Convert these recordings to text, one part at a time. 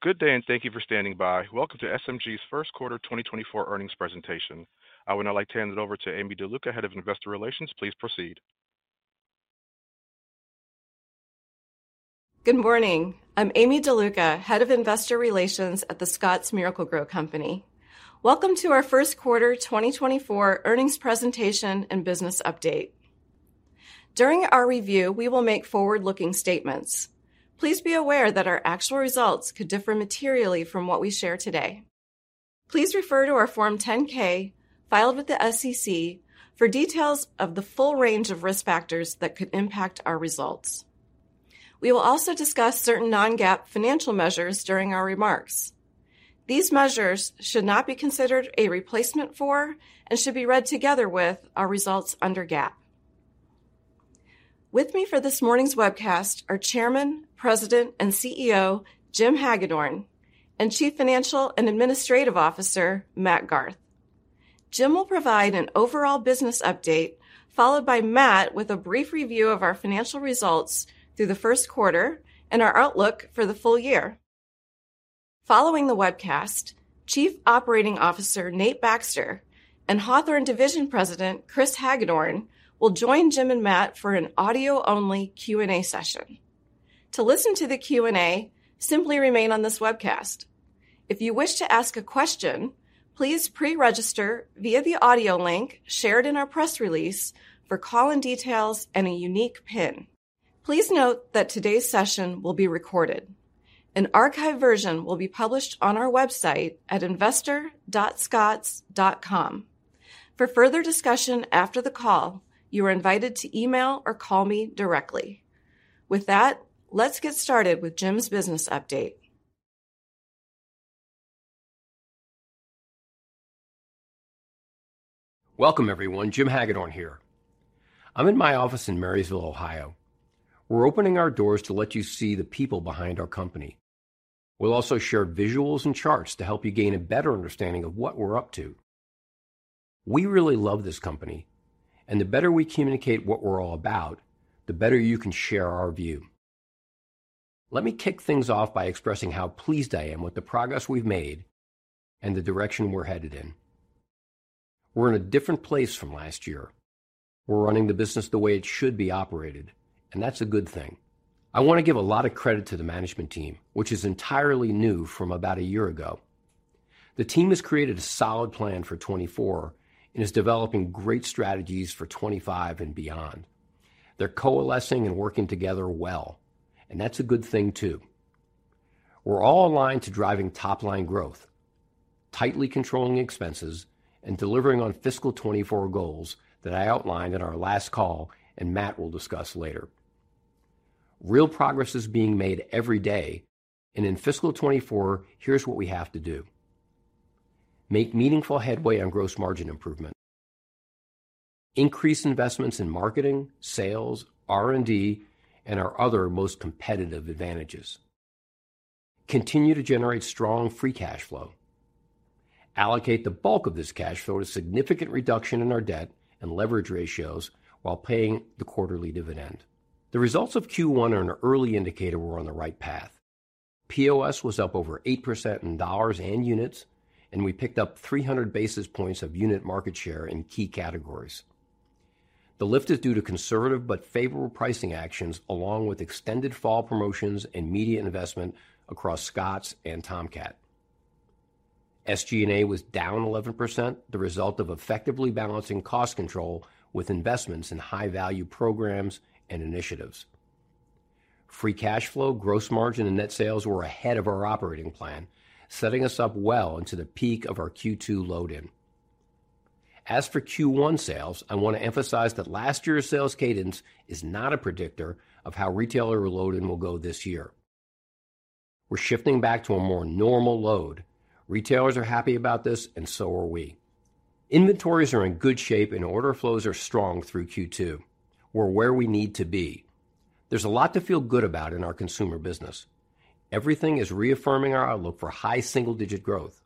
Good day, and thank you for standing by. Welcome to SMG's First Quarter 2024 Earnings Presentation. I would now like to hand it over to Aimee DeLuca, Head of Investor Relations. Please proceed. Good morning. I'm Aimee DeLuca, Head of Investor Relations at The Scotts Miracle-Gro Company. Welcome to our first quarter 2024 earnings presentation and business update. During our review, we will make forward-looking statements. Please be aware that our actual results could differ materially from what we share today. Please refer to our Form 10-K, filed with the SEC, for details of the full range of risk factors that could impact our results. We will also discuss certain non-GAAP financial measures during our remarks. These measures should not be considered a replacement for, and should be read together with, our results under GAAP. With me for this morning's webcast are Chairman, President, and CEO, Jim Hagedorn, and Chief Financial and Administrative Officer, Matt Garth. Jim will provide an overall business update, followed by Matt with a brief review of our financial results through the first quarter and our outlook for the full year. Following the webcast, Chief Operating Officer Nate Baxter and Hawthorne Division President Chris Hagedorn will join Jim and Matt for an audio-only Q&A session. To listen to the Q&A, simply remain on this webcast. If you wish to ask a question, please pre-register via the audio link shared in our press release for call-in details and a unique PIN. Please note that today's session will be recorded. An archive version will be published on our website at investor.scotts.com. For further discussion after the call, you are invited to email or call me directly. With that, let's get started with Jim's business update. Welcome, everyone, Jim Hagedorn here. I'm in my office in Marysville, Ohio. We're opening our doors to let you see the people behind our company. We'll also share visuals and charts to help you gain a better understanding of what we're up to. We really love this company, and the better we communicate what we're all about, the better you can share our view. Let me kick things off by expressing how pleased I am with the progress we've made and the direction we're headed in. We're in a different place from last year. We're running the business the way it should be operated, and that's a good thing. I want to give a lot of credit to the management team, which is entirely new from about a year ago. The team has created a solid plan for 2024 and is developing great strategies for 2025 and beyond. They're coalescing and working together well, and that's a good thing, too. We're all aligned to driving top-line growth, tightly controlling expenses, and delivering on fiscal 2024 goals that I outlined in our last call, and Matt will discuss later. Real progress is being made every day, and in fiscal 2024, here's what we have to do: Make meaningful headway on gross margin improvement, increase investments in marketing, sales, R&D, and our other most competitive advantages, continue to generate strong free cash flow, allocate the bulk of this cash flow to significant reduction in our debt and leverage ratios while paying the quarterly dividend. The results of Q1 are an early indicator we're on the right path. POS was up over 8% in dollars and units, and we picked up 300 basis points of unit market share in key categories. The lift is due to conservative but favorable pricing actions, along with extended fall promotions and media investment across Scotts and Tomcat. SG&A was down 11%, the result of effectively balancing cost control with investments in high-value programs and initiatives. Free cash flow, gross margin, and net sales were ahead of our operating plan, setting us up well into the peak of our Q2 load-in. As for Q1 sales, I want to emphasize that last year's sales cadence is not a predictor of how retailer load-in will go this year. We're shifting back to a more normal load. Retailers are happy about this, and so are we. Inventories are in good shape, and order flows are strong through Q2. We're where we need to be. There's a lot to feel good about in our consumer business. Everything is reaffirming our outlook for high single-digit growth.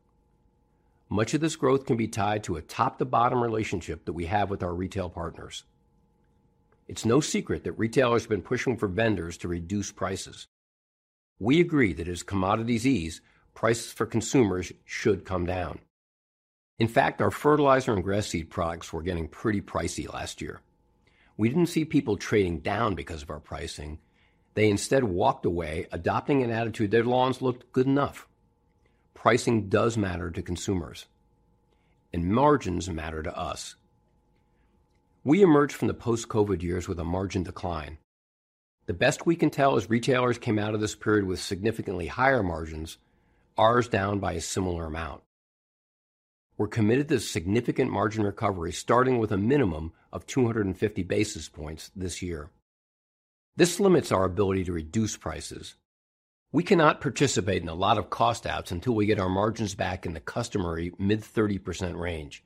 Much of this growth can be tied to a top-to-bottom relationship that we have with our retail partners. It's no secret that retailers have been pushing for vendors to reduce prices. We agree that as commodities ease, prices for consumers should come down. In fact, our fertilizer and grass seed products were getting pretty pricey last year. We didn't see people trading down because of our pricing. They instead walked away, adopting an attitude their lawns looked good enough. Pricing does matter to consumers, and margins matter to us. We emerged from the post-COVID years with a margin decline. The best we can tell is retailers came out of this period with significantly higher margins, ours down by a similar amount. We're committed to significant margin recovery, starting with a minimum of 250 basis points this year. This limits our ability to reduce prices. We cannot participate in a lot of cost outs until we get our margins back in the customary mid-30% range.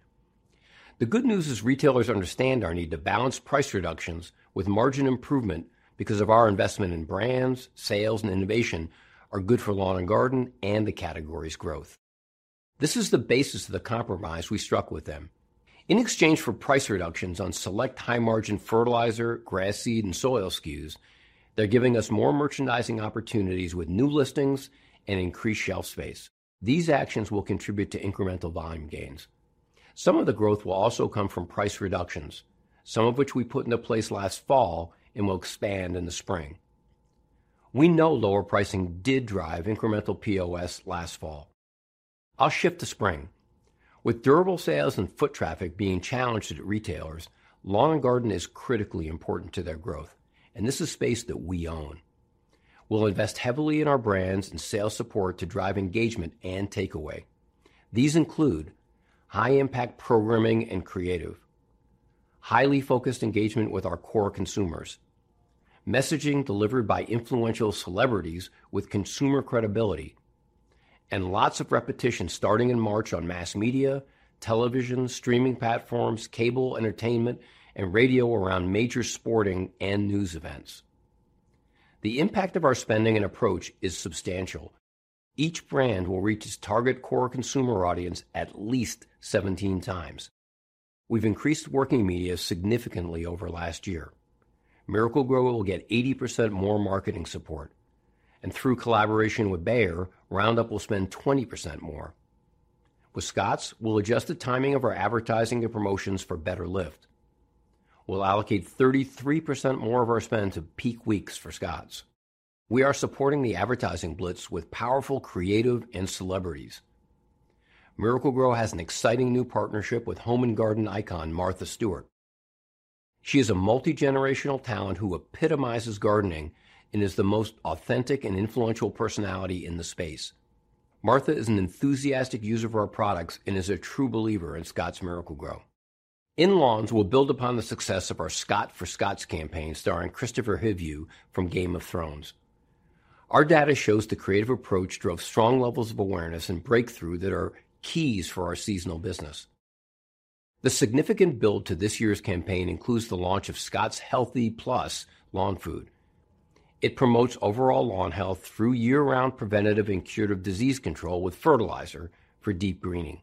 The good news is retailers understand our need to balance price reductions with margin improvement because of our investment in brands, sales, and innovation are good for lawn and garden and the category's growth. This is the basis of the compromise we struck with them. In exchange for price reductions on select high-margin fertilizer, grass seed, and soil SKUs, they're giving us more merchandising opportunities with new listings and increased shelf space. These actions will contribute to incremental volume gains. Some of the growth will also come from price reductions, some of which we put into place last fall and will expand in the spring. We know lower pricing did drive incremental POS last fall. I'll shift to spring. With durable sales and foot traffic being challenged at retailers, lawn and garden is critically important to their growth, and this is space that we own. We'll invest heavily in our brands and sales support to drive engagement and takeaway. These include high-impact programming and creative, highly focused engagement with our core consumers, messaging delivered by influential celebrities with consumer credibility, and lots of repetition starting in March on mass media, television, streaming platforms, cable entertainment, and radio around major sporting and news events. The impact of our spending and approach is substantial. Each brand will reach its target core consumer audience at least 17 times. We've increased working media significantly over last year. Miracle-Gro will get 80% more marketing support, and through collaboration with Bayer, Roundup will spend 20% more. With Scotts, we'll adjust the timing of our advertising and promotions for better lift. We'll allocate 33% more of our spend to peak weeks for Scotts. We are supporting the advertising blitz with powerful creative and celebrities. Miracle-Gro has an exciting new partnership with home and garden icon, Martha Stewart. She is a multi-generational talent who epitomizes gardening and is the most authentic and influential personality in the space. Martha is an enthusiastic user of our products and is a true believer in Scotts Miracle-Gro. In lawns, we'll build upon the success of our Scott for Scotts campaign, starring Kristofer Hivju from Game of Thrones. Our data shows the creative approach drove strong levels of awareness and breakthrough that are keys for our seasonal business. The significant build to this year's campaign includes the launch of Scotts Healthy Plus Lawn Food. It promotes overall lawn health through year-round preventative and curative disease control with fertilizer for deep greening.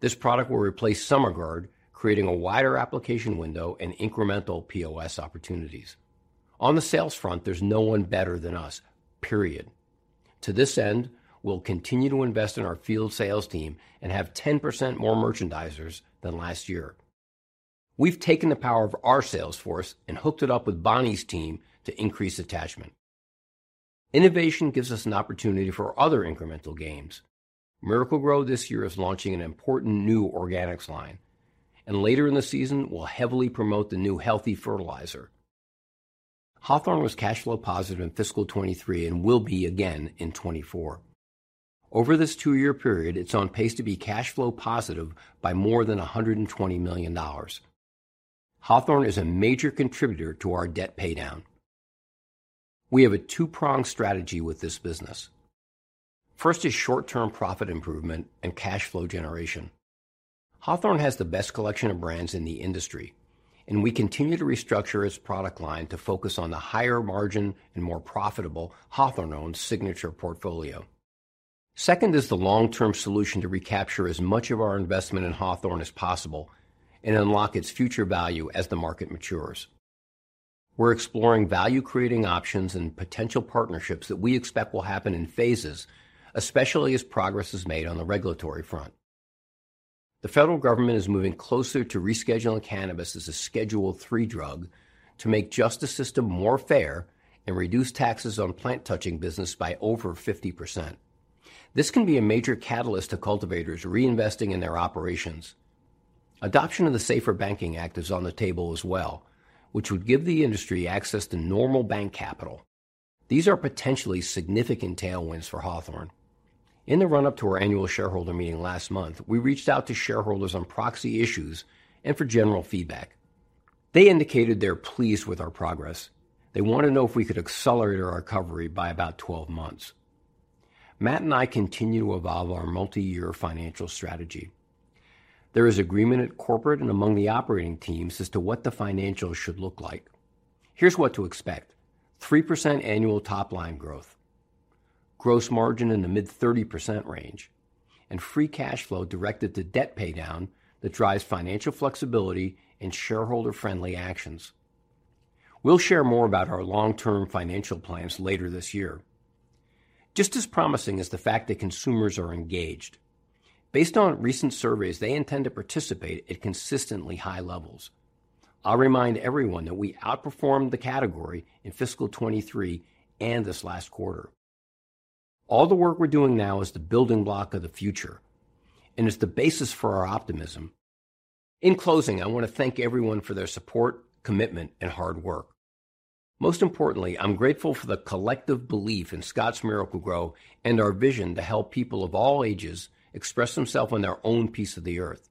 This product will replace SummerGuard, creating a wider application window and incremental POS opportunities. On the sales front, there's no one better than us, period. To this end, we'll continue to invest in our field sales team and have 10% more merchandisers than last year. We've taken the power of our sales force and hooked it up with Bonnie's team to increase attachment. Innovation gives us an opportunity for other incremental gains. Miracle-Gro this year is launching an important new organics line, and later in the season, we'll heavily promote the new healthy fertilizer. Hawthorne was cash flow positive in fiscal 2023 and will be again in 2024. Over this two-year period, it's on pace to be cash flow positive by more than $120 million. Hawthorne is a major contributor to our debt paydown. We have a two-pronged strategy with this business. First is short-term profit improvement and cash flow generation. Hawthorne has the best collection of brands in the industry, and we continue to restructure its product line to focus on the higher margin and more profitable Hawthorne-owned Signature portfolio. Second is the long-term solution to recapture as much of our investment in Hawthorne as possible and unlock its future value as the market matures. We're exploring value-creating options and potential partnerships that we expect will happen in phases, especially as progress is made on the regulatory front. The federal government is moving closer to rescheduling cannabis as a Schedule III drug to make justice system more fair and reduce taxes on plant-touching business by over 50%. This can be a major catalyst to cultivators reinvesting in their operations. Adoption of the SAFER Banking Act is on the table as well, which would give the industry access to normal bank capital. These are potentially significant tailwinds for Hawthorne. In the run-up to our annual shareholder meeting last month, we reached out to shareholders on proxy issues and for general feedback. They indicated they're pleased with our progress. They want to know if we could accelerate our recovery by about 12 months. Matt and I continue to evolve our multi-year financial strategy. There is agreement at corporate and among the operating teams as to what the financials should look like. Here's what to expect: 3% annual top-line growth, gross margin in the mid-30% range, and free cash flow directed to debt paydown that drives financial flexibility and shareholder-friendly actions. We'll share more about our long-term financial plans later this year. Just as promising is the fact that consumers are engaged. Based on recent surveys, they intend to participate at consistently high levels. I'll remind everyone that we outperformed the category in fiscal 2023 and this last quarter. All the work we're doing now is the building block of the future, and it's the basis for our optimism. In closing, I want to thank everyone for their support, commitment, and hard work. Most importantly, I'm grateful for the collective belief in Scotts Miracle-Gro and our vision to help people of all ages express themselves on their own piece of the Earth.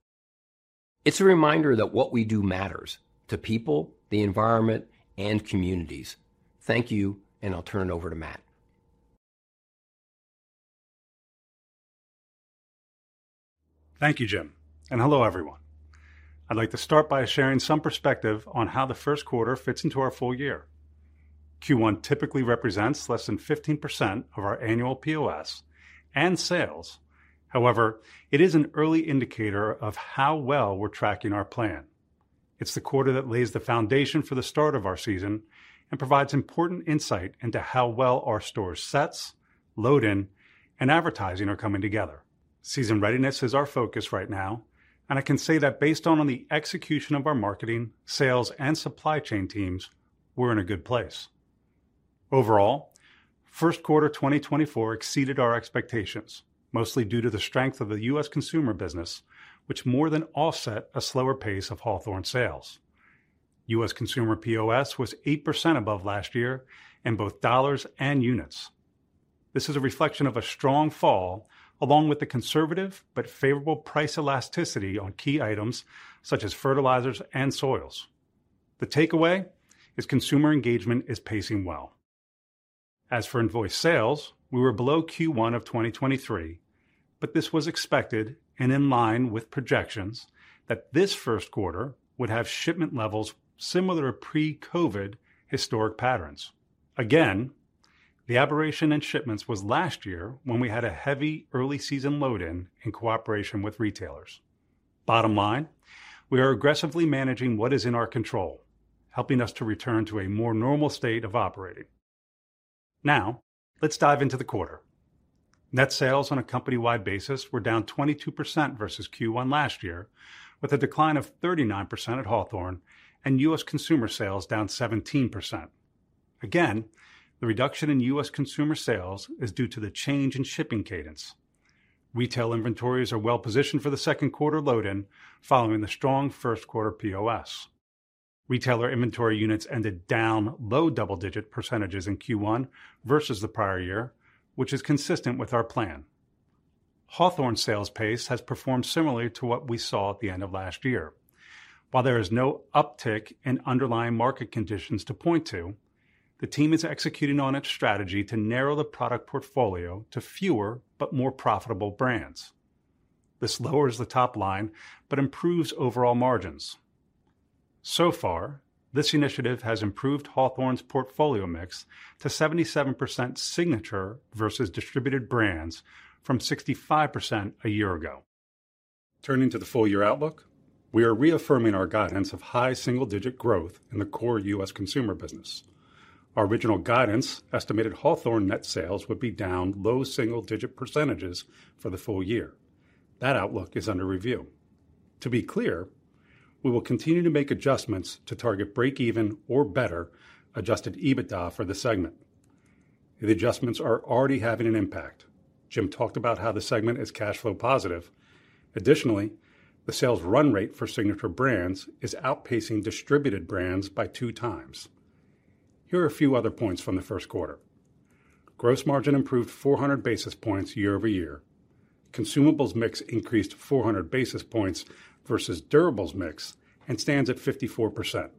It's a reminder that what we do matters to people, the environment, and communities. Thank you, and I'll turn it over to Matt. Thank you, Jim, and hello, everyone. I'd like to start by sharing some perspective on how the first quarter fits into our full year. Q1 typically represents less than 15% of our annual POS and sales. However, it is an early indicator of how well we're tracking our plan. It's the quarter that lays the foundation for the start of our season and provides important insight into how well our store sets, load-in, and advertising are coming together. Season readiness is our focus right now, and I can say that based on the execution of our marketing, sales, and supply chain teams, we're in a good place. Overall, first quarter 2024 exceeded our expectations, mostly due to the strength of the U.S. Consumer business, which more than offset a slower pace of Hawthorne sales. U.S. Consumer POS was 8% above last year in both dollars and units. This is a reflection of a strong fall, along with the conservative but favorable price elasticity on key items such as fertilizers and soils. The takeaway is consumer engagement is pacing well. As for invoice sales, we were below Q1 of 2023, but this was expected and in line with projections that this first quarter would have shipment levels similar to pre-COVID historic patterns. Again, the aberration in shipments was last year when we had a heavy early season load-in in cooperation with retailers. Bottom line, we are aggressively managing what is in our control, helping us to return to a more normal state of operating. Now, let's dive into the quarter. Net sales on a company-wide basis were down 22% versus Q1 last year, with a decline of 39% at Hawthorne and U.S. Consumer sales down 17%. Again, the reduction in U.S. Consumer sales is due to the change in shipping cadence. Retail inventories are well positioned for the second quarter load-in following the strong first quarter POS. Retailer inventory units ended down low double-digit percentages in Q1 versus the prior year, which is consistent with our plan. Hawthorne sales pace has performed similarly to what we saw at the end of last year. While there is no uptick in underlying market conditions to point to, the team is executing on its strategy to narrow the product portfolio to fewer, but more profitable brands. This lowers the top line, but improves overall margins. So far, this initiative has improved Hawthorne's portfolio mix to 77% Signature versus distributed brands, from 65% a year ago. Turning to the full year outlook, we are reaffirming our guidance of high single-digit growth in the core U.S. Consumer business. Our original guidance estimated Hawthorne net sales would be down low single-digit percentages for the full year. That outlook is under review. To be clear, we will continue to make adjustments to target break-even or better Adjusted EBITDA for the segment. The adjustments are already having an impact. Jim talked about how the segment is cash flow positive. Additionally, the sales run rate for Signature Brands is outpacing distributed brands by two times. Here are a few other points from the first quarter: Gross margin improved 400 basis points year-over-year. Consumables mix increased 400 basis points versus durables mix and stands at 54%.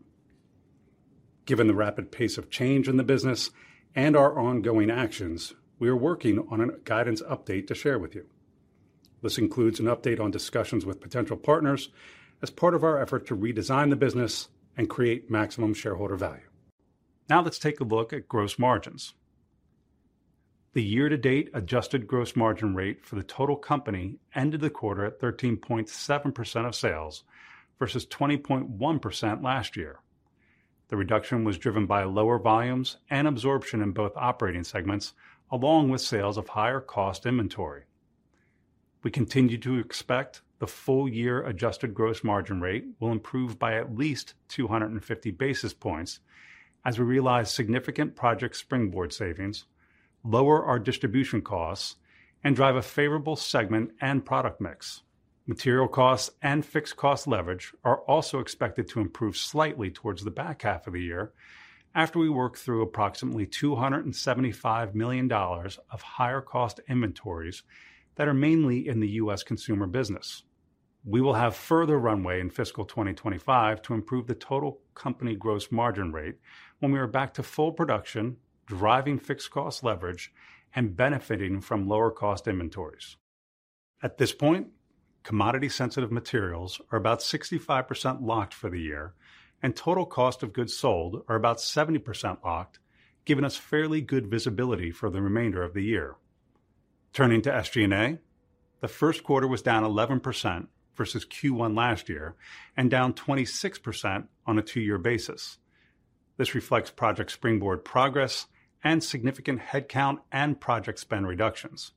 Given the rapid pace of change in the business and our ongoing actions, we are working on a guidance update to share with you. This includes an update on discussions with potential partners as part of our effort to redesign the business and create maximum shareholder value. Now, let's take a look at gross margins. The year-to-date adjusted gross margin rate for the total company ended the quarter at 13.7% of sales, versus 20.1% last year. The reduction was driven by lower volumes and absorption in both operating segments, along with sales of higher-cost inventory. We continue to expect the full year adjusted gross margin rate will improve by at least 250 basis points as we realize significant Project Springboard savings, lower our distribution costs, and drive a favorable segment and product mix. Material costs and fixed cost leverage are also expected to improve slightly towards the back half of the year after we work through approximately $275 million of higher cost inventories that are mainly in the U.S. Consumer business. We will have further runway in fiscal 2025 to improve the total company gross margin rate when we are back to full production, driving fixed cost leverage, and benefiting from lower cost inventories. At this point, commodity-sensitive materials are about 65% locked for the year, and total cost of goods sold are about 70% locked, giving us fairly good visibility for the remainder of the year. Turning to SG&A, the first quarter was down 11% versus Q1 last year, and down 26% on a two-year basis. This reflects Project Springboard progress and significant headcount and project spend reductions.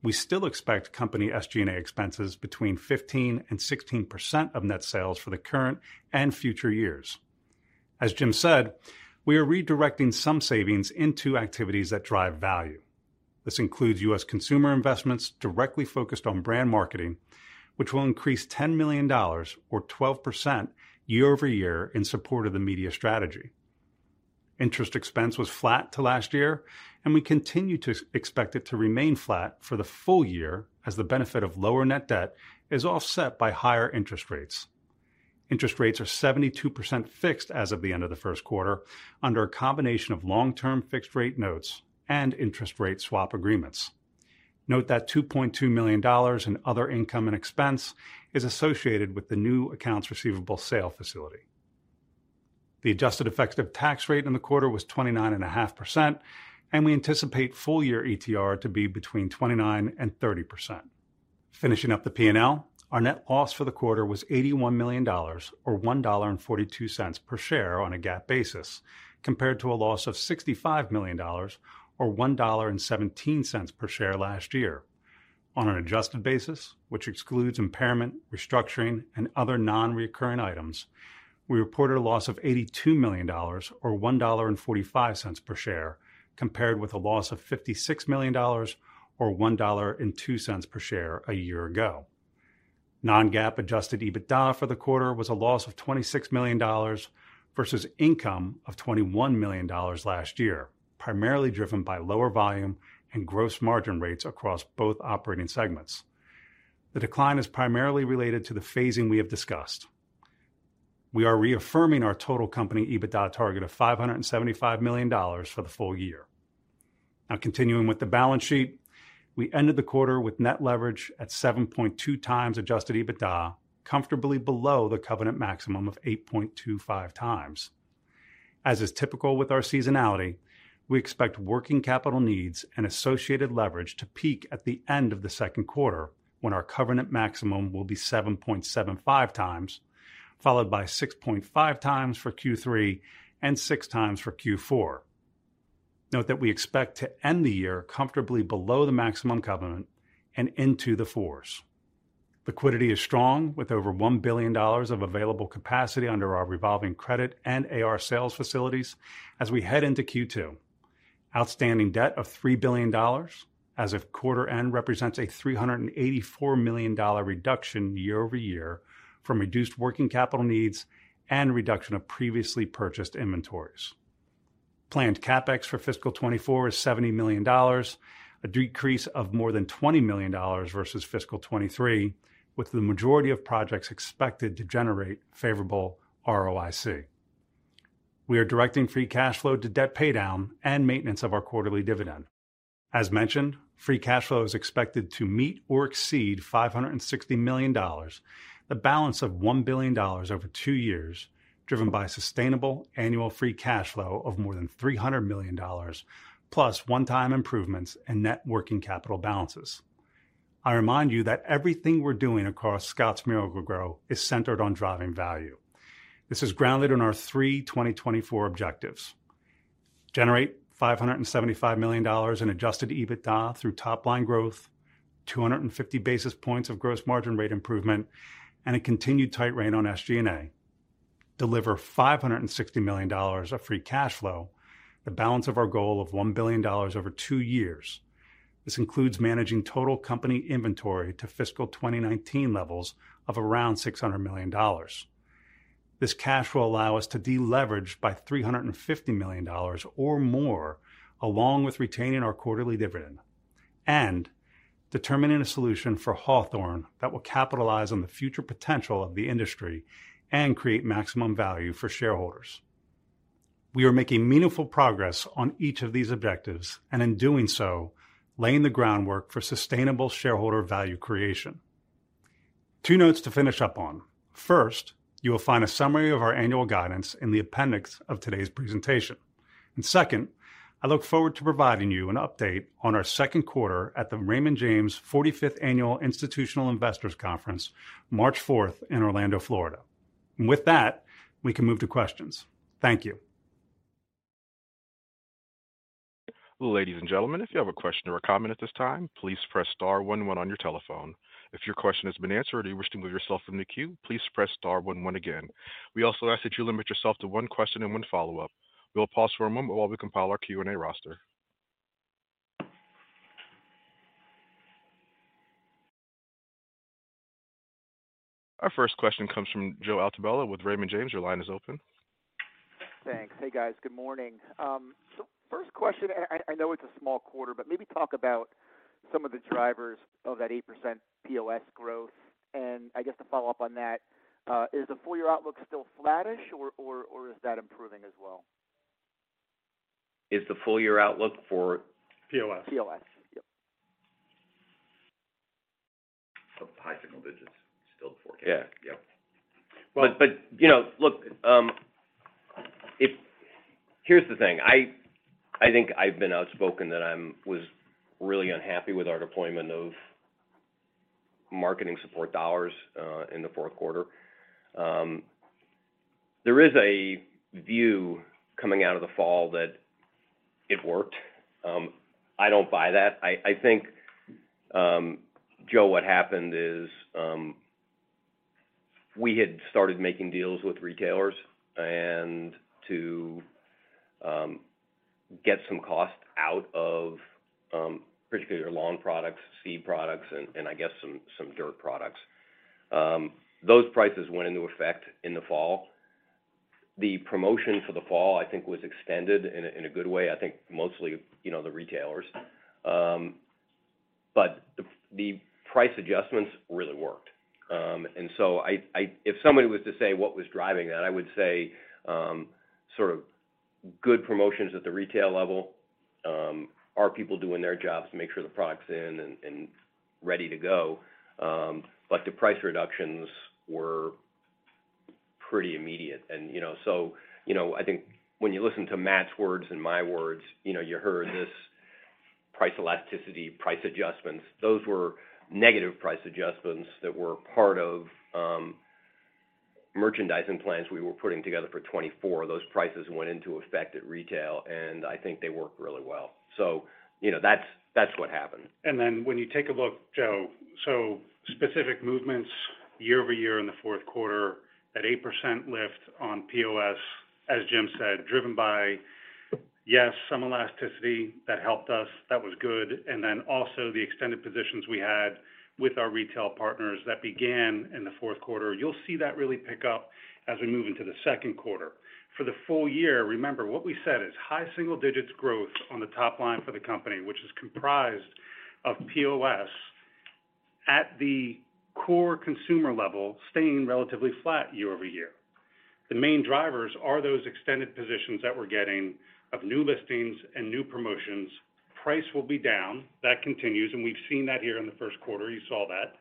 We still expect company SG&A expenses between 15%-16% of net sales for the current and future years. As Jim said, we are redirecting some savings into activities that drive value. This includes U.S. Consumer investments directly focused on brand marketing, which will increase $10 million or 12% year-over-year in support of the media strategy. Interest expense was flat to last year, and we continue to expect it to remain flat for the full year as the benefit of lower net debt is offset by higher interest rates. Interest rates are 72% fixed as of the end of the first quarter, under a combination of long-term fixed rate notes and interest rate swap agreements. Note that $2.2 million in other income and expense is associated with the new accounts receivable sale facility. The adjusted effective tax rate in the quarter was 29.5%, and we anticipate full year ETR to be between 29% and 30%. Finishing up the P&L, our net loss for the quarter was $81 million, or $1.42 per share on a GAAP basis, compared to a loss of $65 million, or $1.17 per share last year. On an adjusted basis, which excludes impairment, restructuring, and other non-recurring items, we reported a loss of $82 million, or $1.45 per share, compared with a loss of $56 million, or $1.02 per share a year ago. non-GAAP Adjusted EBITDA for the quarter was a loss of $26 million versus income of $21 million last year, primarily driven by lower volume and gross margin rates across both operating segments. The decline is primarily related to the phasing we have discussed. We are reaffirming our total company EBITDA target of $575 million for the full year. Now, continuing with the balance sheet, we ended the quarter with net leverage at 7.2x Adjusted EBITDA, comfortably below the covenant maximum of 8.25x. As is typical with our seasonality, we expect working capital needs and associated leverage to peak at the end of the second quarter, when our covenant maximum will be 7.75x, followed by 6.5x for Q3 and 6x for Q4. Note that we expect to end the year comfortably below the maximum covenant and into the fours. Liquidity is strong, with over $1 billion of available capacity under our revolving credit and AR sales facilities as we head into Q2. Outstanding debt of $3 billion as of quarter end represents a $384 million reduction year-over-year from reduced working capital needs and reduction of previously purchased inventories. Planned CapEx for fiscal 2024 is $70 million, a decrease of more than $20 million versus fiscal 2023, with the majority of projects expected to generate favorable ROIC. We are directing free cash flow to debt paydown and maintenance of our quarterly dividend. As mentioned, free cash flow is expected to meet or exceed $560 million, the balance of $1 billion over two years, driven by sustainable annual free cash flow of more than $300 million, plus one-time improvements and net working capital balances. I remind you that everything we're doing across Scotts Miracle-Gro is centered on driving value. This is grounded in our 2024 objectives: generate $575 million in Adjusted EBITDA through top-line growth, 250 basis points of gross margin rate improvement, and a continued tight rein on SG&A. Deliver $560 million of free cash flow, the balance of our goal of $1 billion over two years. This includes managing total company inventory to fiscal 2019 levels of around $600 million. This cash will allow us to deleverage by $350 million or more, along with retaining our quarterly dividend. Determining a solution for Hawthorne that will capitalize on the future potential of the industry and create maximum value for shareholders. We are making meaningful progress on each of these objectives, and in doing so, laying the groundwork for sustainable shareholder value creation. Two notes to finish up on. First, you will find a summary of our annual guidance in the appendix of today's presentation. And second, I look forward to providing you an update on our second quarter at the Raymond James 45th Annual Institutional Investors Conference, March fourth, in Orlando, Florida. And with that, we can move to questions. Thank you. Ladies and gentlemen, if you have a question or a comment at this time, please press star one one on your telephone. If your question has been answered or you wish to remove yourself from the queue, please press star one one again. We also ask that you limit yourself to one question and one follow-up. We will pause for a moment while we compile our Q&A roster. Our first question comes from Joe Altobello with Raymond James. Your line is open. Thanks. Hey, guys. Good morning. So first question, I know it's a small quarter, but maybe talk about some of the drivers of that 8% POS growth. And I guess to follow up on that, is the full year outlook still flattish, or is that improving as well? Is the full year outlook for-- POS. POS, yep. Of high single digits, still forecasting. Yeah. Yep. But, you know, look, if. Here's the thing. I think I've been outspoken that I was really unhappy with our deployment of marketing support dollars in the fourth quarter. There is a view coming out of the fall that it worked. I don't buy that. I think, Joe, what happened is, we had started making deals with retailers and to get some cost out of, particularly their lawn products, seed products, and I guess some dirt products. Those prices went into effect in the fall. The promotion for the fall, I think, was extended in a good way, I think mostly, you know, the retailers. But the price adjustments really worked. And so, If somebody was to say, what was driving that, I would say, sort of-... Good promotions at the retail level. Our people doing their jobs to make sure the product's in and, and ready to go. But the price reductions were pretty immediate. And, you know, so, you know, I think when you listen to Matt's words and my words, you know, you heard this price elasticity, price adjustments. Those were negative price adjustments that were part of, merchandising plans we were putting together for 2024. Those prices went into effect at retail, and I think they worked really well. So, you know, that's, that's what happened. And then when you take a look, Joe, so specific movements year-over-year in the fourth quarter, that 8% lift on POS, as Jim said, driven by, yes, some elasticity that helped us, that was good, and then also the extended positions we had with our retail partners that began in the fourth quarter. You'll see that really pick up as we move into the second quarter. For the full year, remember, what we said is high single digits growth on the top line for the company, which is comprised of POS at the core consumer level, staying relatively flat year-over-year. The main drivers are those extended positions that we're getting of new listings and new promotions. Price will be down, that continues, and we've seen that here in the first quarter. You saw that,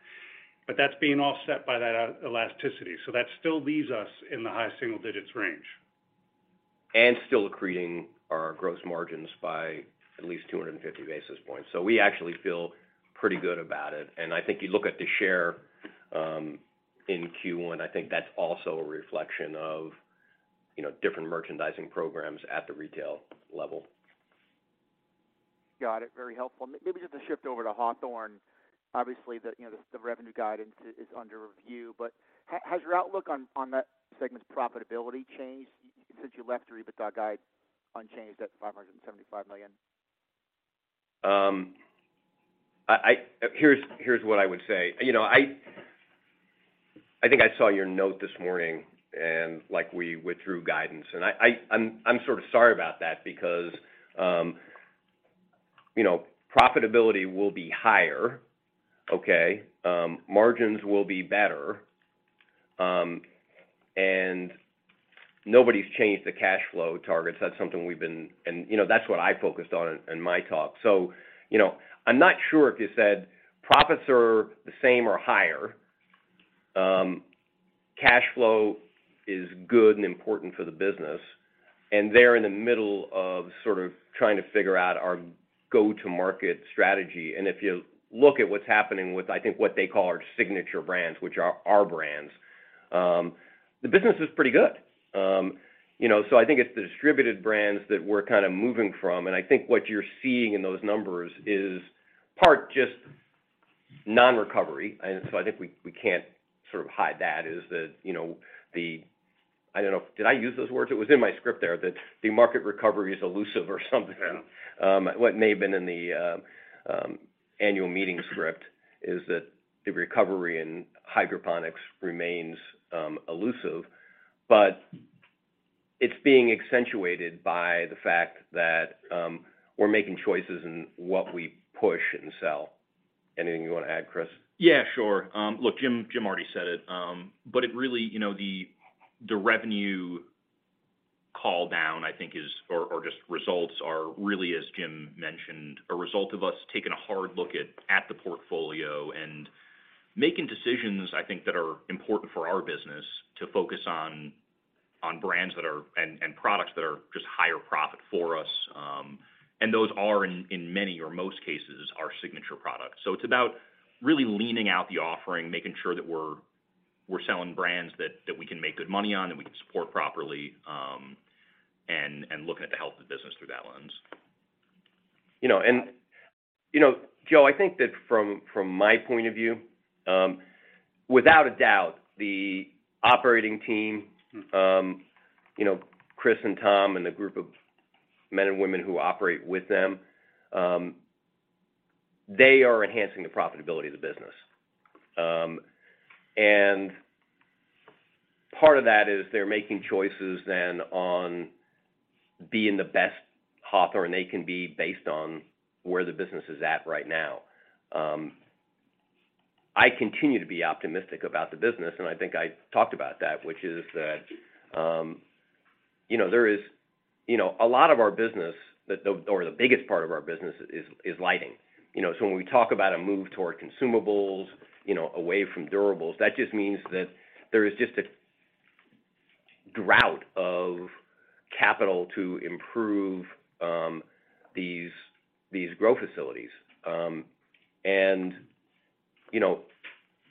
but that's being offset by that elasticity. That still leaves us in the high single digits range. Still accreting our gross margins by at least 250 basis points. So we actually feel pretty good about it. I think you look at the share in Q1. I think that's also a reflection of, you know, different merchandising programs at the retail level. Got it. Very helpful. Maybe just to shift over to Hawthorne. Obviously, the, you know, the revenue guidance is under review, but has your outlook on that segment's profitability changed since you left the EBITDA guide unchanged at $575 million? Here's what I would say. You know, I think I saw your note this morning, and, like, we withdrew guidance, and I'm sort of sorry about that because, you know, profitability will be higher, okay? Margins will be better, and nobody's changed the cash flow targets. That's something we've been. And, you know, that's what I focused on in my talk. So, you know, I'm not sure if you said profits are the same or higher. Cash flow is good and important for the business, and they're in the middle of sort of trying to figure out our go-to-market strategy. And if you look at what's happening with, I think, what they call our Signature Brands, which are our brands, the business is pretty good. You know, so I think it's the distributed brands that we're kind of moving from, and I think what you're seeing in those numbers is part just non-recovery. And so I think we can't sort of hide that, is that, you know, the... I don't know, did I use those words? It was in my script there, that the market recovery is elusive or something. What may have been in the annual meeting script is that the recovery in hydroponics remains elusive, but it's being accentuated by the fact that we're making choices in what we push and sell. Anything you want to add, Chris? Yeah, sure. Look, Jim, Jim already said it, but it really, you know, the revenue call down, I think, is or just results are really, as Jim mentioned, a result of us taking a hard look at the portfolio and making decisions, I think, that are important for our business to focus on brands that are and products that are just higher profit for us. And those are, in many or most cases, our Signature products. So it's about really leaning out the offering, making sure that we're selling brands that we can make good money on, and we can support properly, and looking at the health of the business through that lens. You know, you know, Joe, I think that from my point of view, without a doubt, the operating team, you know, Chris and Tom and the group of men and women who operate with them, they are enhancing the profitability of the business. Part of that is they're making choices then on being the best Hawthorne they can be, based on where the business is at right now. I continue to be optimistic about the business, and I think I talked about that, which is that, you know, there is, you know, a lot of our business or the biggest part of our business is lighting. You know, so when we talk about a move toward consumables, you know, away from durables, that just means that there is just a drought of capital to improve these growth facilities. You know,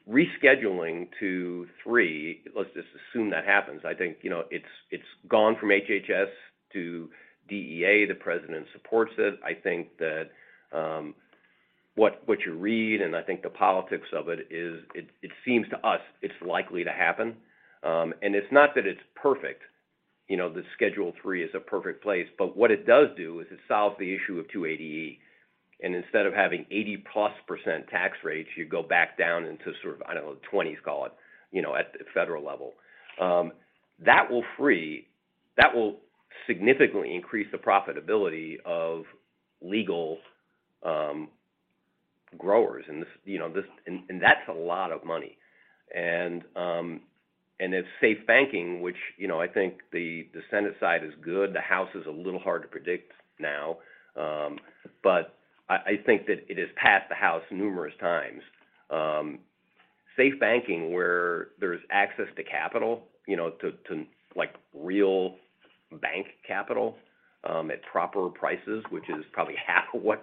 rescheduling to 3, let's just assume that happens. I think, you know, it's gone from HHS to DEA. The President supports it. I think that what you read, and I think the politics of it is, it seems to us it's likely to happen. It's not that it's perfect, you know, the Schedule III is a perfect place, but what it does do is it solves the issue of 280E. Instead of having 80%+ tax rates, you go back down into sort of, I don't know, 20s, call it, you know, at the federal level. That will free— That will significantly increase the profitability of legal growers, and this, you know, this, and, and that's a lot of money. And, and if SAFE Banking, which, you know, I think the, the Senate side is good, the House is a little hard to predict now, but I, I think that it has passed the House numerous times. SAFE Banking, where there's access to capital, you know, to, to, like, real bank capital, at proper prices, which is probably half of what,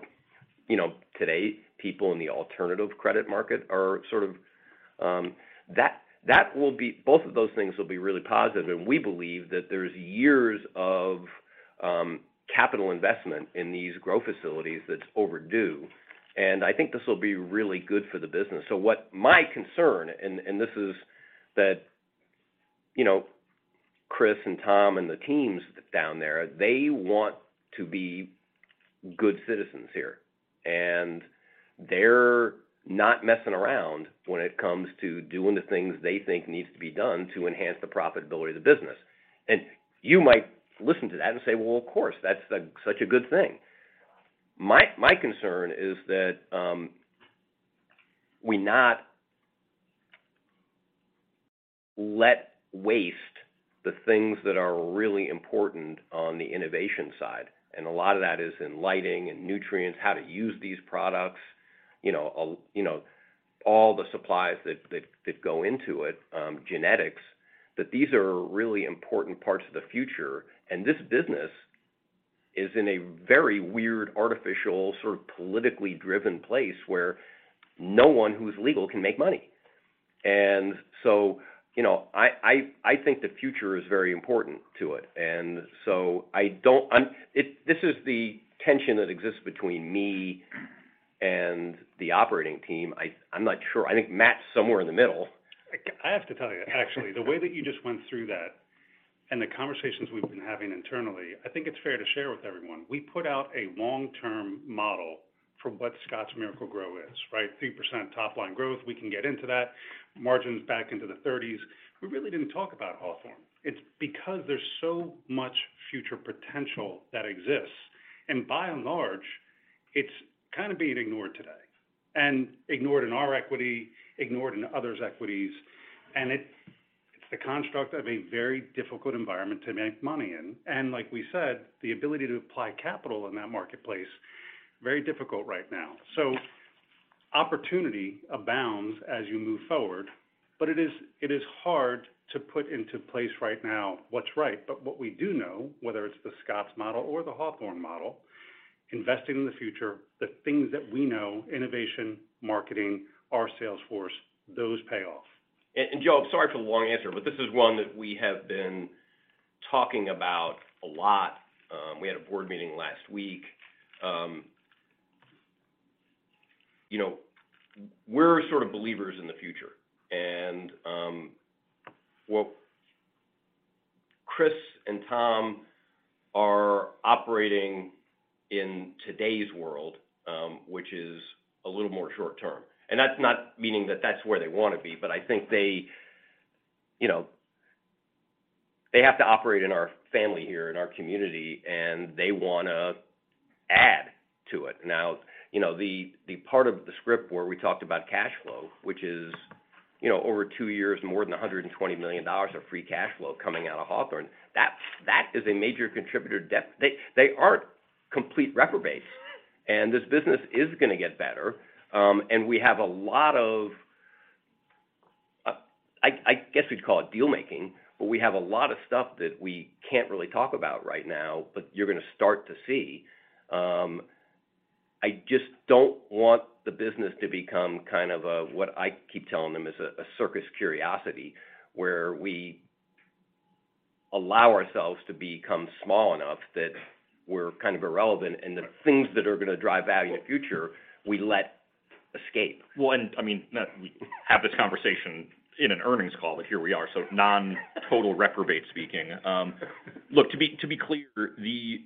you know, today, people in the alternative credit market are sort of. That, that will be both of those things will be really positive, and we believe that there's years of capital investment in these grow facilities that's overdue, and I think this will be really good for the business. My concern, and this is that, you know, Chris and Tom and the teams down there, they want to be good citizens here, and they're not messing around when it comes to doing the things they think needs to be done to enhance the profitability of the business. And you might listen to that and say, "Well, of course, that's such a good thing." My concern is that we not let waste the things that are really important on the innovation side, and a lot of that is in lighting and nutrients, how to use these products, you know, all the supplies that go into it, genetics, that these are really important parts of the future. And this business is in a very weird, artificial, sort of politically driven place where no one who's legal can make money. And so, you know, I think the future is very important to it. And so this is the tension that exists between me and the operating team. I'm not sure. I think Matt's somewhere in the middle. I, I have to tell you, actually, the way that you just went through that and the conversations we've been having internally, I think it's fair to share with everyone. We put out a long-term model for what Scotts Miracle-Gro is, right? 3% top-line growth, we can get into that, margins back into the thirties. We really didn't talk about Hawthorne. It's because there's so much future potential that exists, and by and large, it's kind of being ignored today, and ignored in our equity, ignored in others' equities, and it's the construct of a very difficult environment to make money in. And like we said, the ability to apply capital in that marketplace, very difficult right now. So opportunity abounds as you move forward, but it is, it is hard to put into place right now what's right. But what we do know, whether it's the Scotts model or the Hawthorne model, investing in the future, the things that we know, innovation, marketing, our sales force, those pay off. Joe, sorry for the long answer, but this is one that we have been talking about a lot. We had a board meeting last week. You know, we're sort of believers in the future, and, well, Chris and Tom are operating in today's world, which is a little more short term. That's not meaning that that's where they wanna be, but I think they, you know, they have to operate in our family here, in our community, and they wanna add to it. Now, you know, the part of the script where we talked about cash flow, which is, you know, over two years, more than $120 million of free cash flow coming out of Hawthorne, that is a major contributor to debt. They aren't complete reprobates, and this business is gonna get better. And we have a lot of, I guess we'd call it deal making, but we have a lot of stuff that we can't really talk about right now, but you're gonna start to see. I just don't want the business to become kind of a, what I keep telling them, is a circus curiosity, where we allow ourselves to become small enough that we're kind of irrelevant, and the things that are gonna drive value in the future, we let escape. Well, and I mean, not-- we have this conversation in an earnings call, but here we are, so non-total reprobate speaking. Look, to be, to be clear, the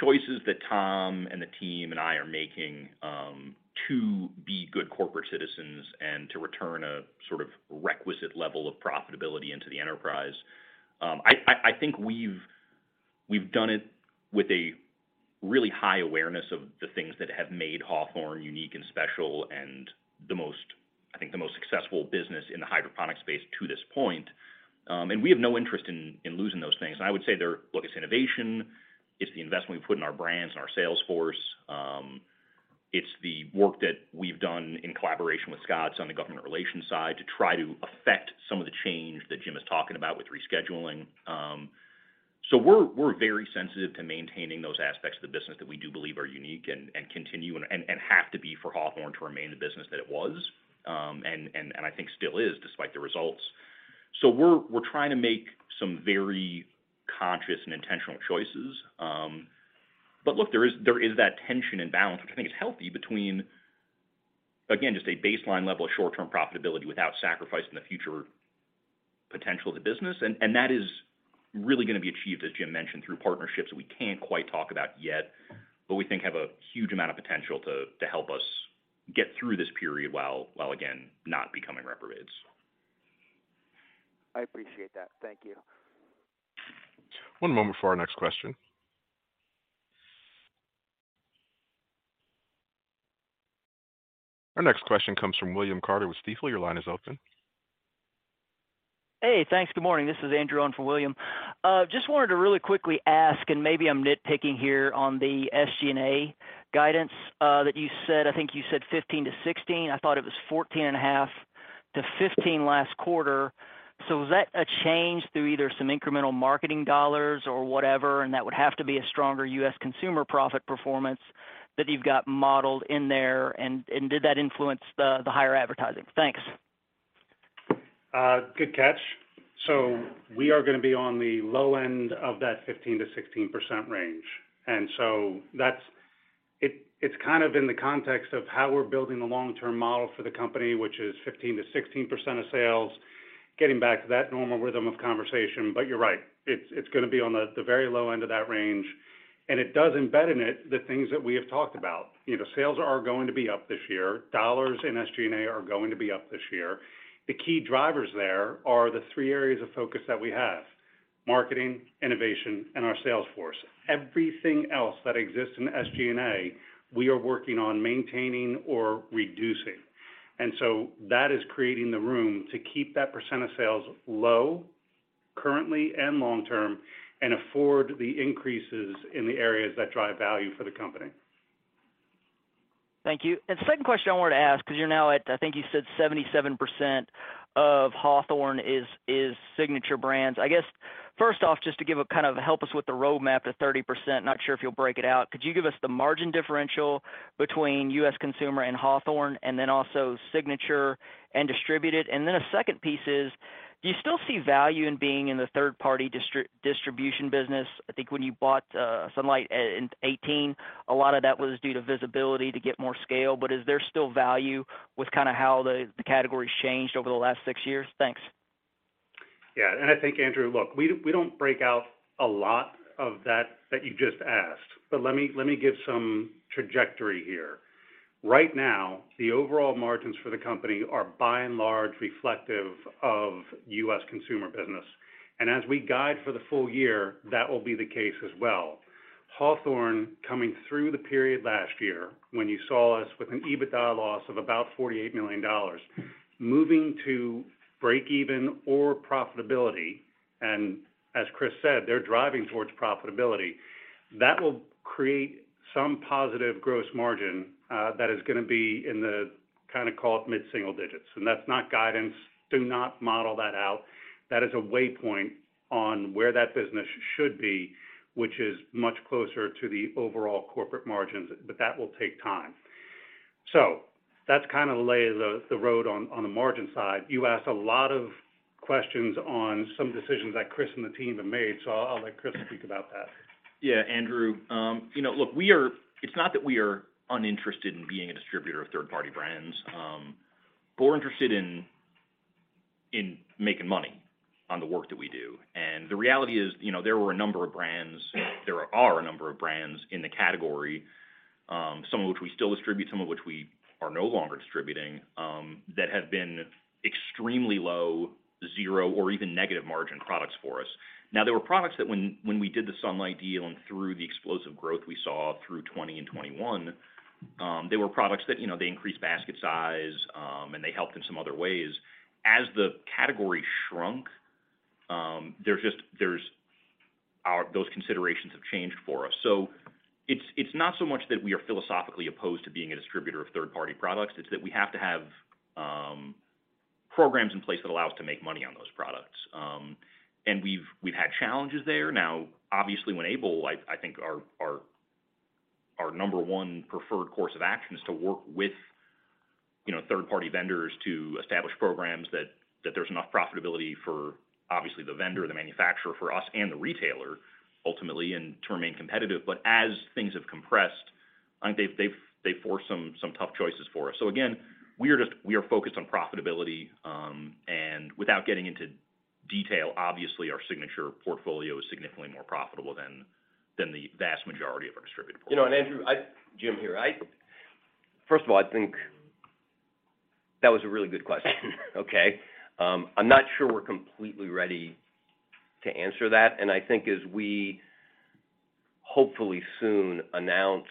choices that Tom and the team and I are making, to be good corporate citizens and to return a sort of requisite level of profitability into the enterprise, I think we've done it with a really high awareness of the things that have made Hawthorne unique and special, and the most, I think, the most successful business in the hydroponics space to this point. And we have no interest in losing those things. And I would say they're... Look, it's innovation, it's the investment we've put in our brands and our sales force, it's the work that we've done in collaboration with Scotts on the government relations side to try to affect some of the change that Jim is talking about with rescheduling. So we're very sensitive to maintaining those aspects of the business that we do believe are unique and continue and have to be for Hawthorne to remain the business that it was, and I think still is, despite the results. So we're trying to make some very conscious and intentional choices. But look, there is that tension and balance, which I think is healthy between, again, just a baseline level of short-term profitability without sacrificing the future potential of the business. And that is really gonna be achieved, as Jim mentioned, through partnerships that we can't quite talk about yet, but we think have a huge amount of potential to help us get through this period while again, not becoming reprobates.... I appreciate that. Thank you. One moment for our next question. Our next question comes from William Carter with Stifel. Your line is open. Hey, thanks. Good morning, this is Andrew in for William. Just wanted to really quickly ask, and maybe I'm nitpicking here on the SG&A guidance that you said. I think you said 15-16. I thought it was 14.5-15 last quarter. So was that a change through either some incremental marketing dollars or whatever, and that would have to be a stronger US consumer profit performance that you've got modeled in there, and did that influence the higher advertising? Thanks. Good catch. So we are gonna be on the low end of that 15%-16% range. And so that's it, it's kind of in the context of how we're building the long-term model for the company, which is 15%-16% of sales, getting back to that normal rhythm of conversation. But you're right, it's gonna be on the very low end of that range, and it does embed in it, the things that we have talked about. You know, sales are going to be up this year. Dollars in SG&A are going to be up this year. The key drivers there are the three areas of focus that we have: marketing, innovation, and our sales force. Everything else that exists in SG&A, we are working on maintaining or reducing. And so that is creating the room to keep that percent of sales low, currently and long term, and afford the increases in the areas that drive value for the company. Thank you. The second question I wanted to ask, because you're now at, I think you said 77% of Hawthorne is Signature Brands. I guess, first off, just to give a kind of help us with the roadmap to 30%. Not sure if you'll break it out. Could you give us the margin differential between U.S. Consumer and Hawthorne, and then also Signature and distributed? The second piece is: Do you still see value in being in the third-party distribution business? I think when you bought Sunlight in 2018, a lot of that was due to visibility to get more scale, but is there still value with kinda how the category has changed over the last six years? Thanks. Yeah, and I think, Andrew, look, we, we don't break out a lot of that, that you just asked, but let me, let me give some trajectory here. Right now, the overall margins for the company are by and large, reflective of U.S. Consumer business. And as we guide for the full year, that will be the case as well. Hawthorne, coming through the period last year, when you saw us with an EBITDA loss of about $48 million, moving to break even or profitability, and as Chris said, they're driving towards profitability, that will create some positive gross margin, that is gonna be in the kinda call it mid-single digits. And that's not guidance. Do not model that out. That is a way point on where that business should be, which is much closer to the overall corporate margins, but that will take time. So that's kinda to lay the road on the margin side. You asked a lot of questions on some decisions that Chris and the team have made, so I'll let Chris speak about that. Yeah, Andrew, you know, look, we are. It's not that we are uninterested in being a distributor of third-party brands, but we're interested in making money on the work that we do. And the reality is, you know, there were a number of brands. There are a number of brands in the category, some of which we still distribute, some of which we are no longer distributing, that have been extremely low, zero, or even negative margin products for us. Now, there were products that when we did the Sunlight deal and through the explosive growth we saw through 2020 and 2021, they were products that, you know, they increased basket size, and they helped in some other ways. As the category shrunk, there's just, those considerations have changed for us. So it's not so much that we are philosophically opposed to being a distributor of third-party products, it's that we have to have programs in place that allow us to make money on those products. And we've had challenges there. Now, obviously, when able, I think our number one preferred course of action is to work with, you know, third-party vendors to establish programs that there's enough profitability for obviously the vendor, the manufacturer, for us and the retailer, ultimately, and to remain competitive. But as things have compressed, I think they've forced some tough choices for us. So again, we are focused on profitability, and without getting into detail, obviously, our Signature portfolio is significantly more profitable than the vast majority of our distributor portfolio. You know, and Andrew, Jim here. First of all, I think that was a really good question. Okay, I'm not sure we're completely ready to answer that. And I think as we hopefully soon announce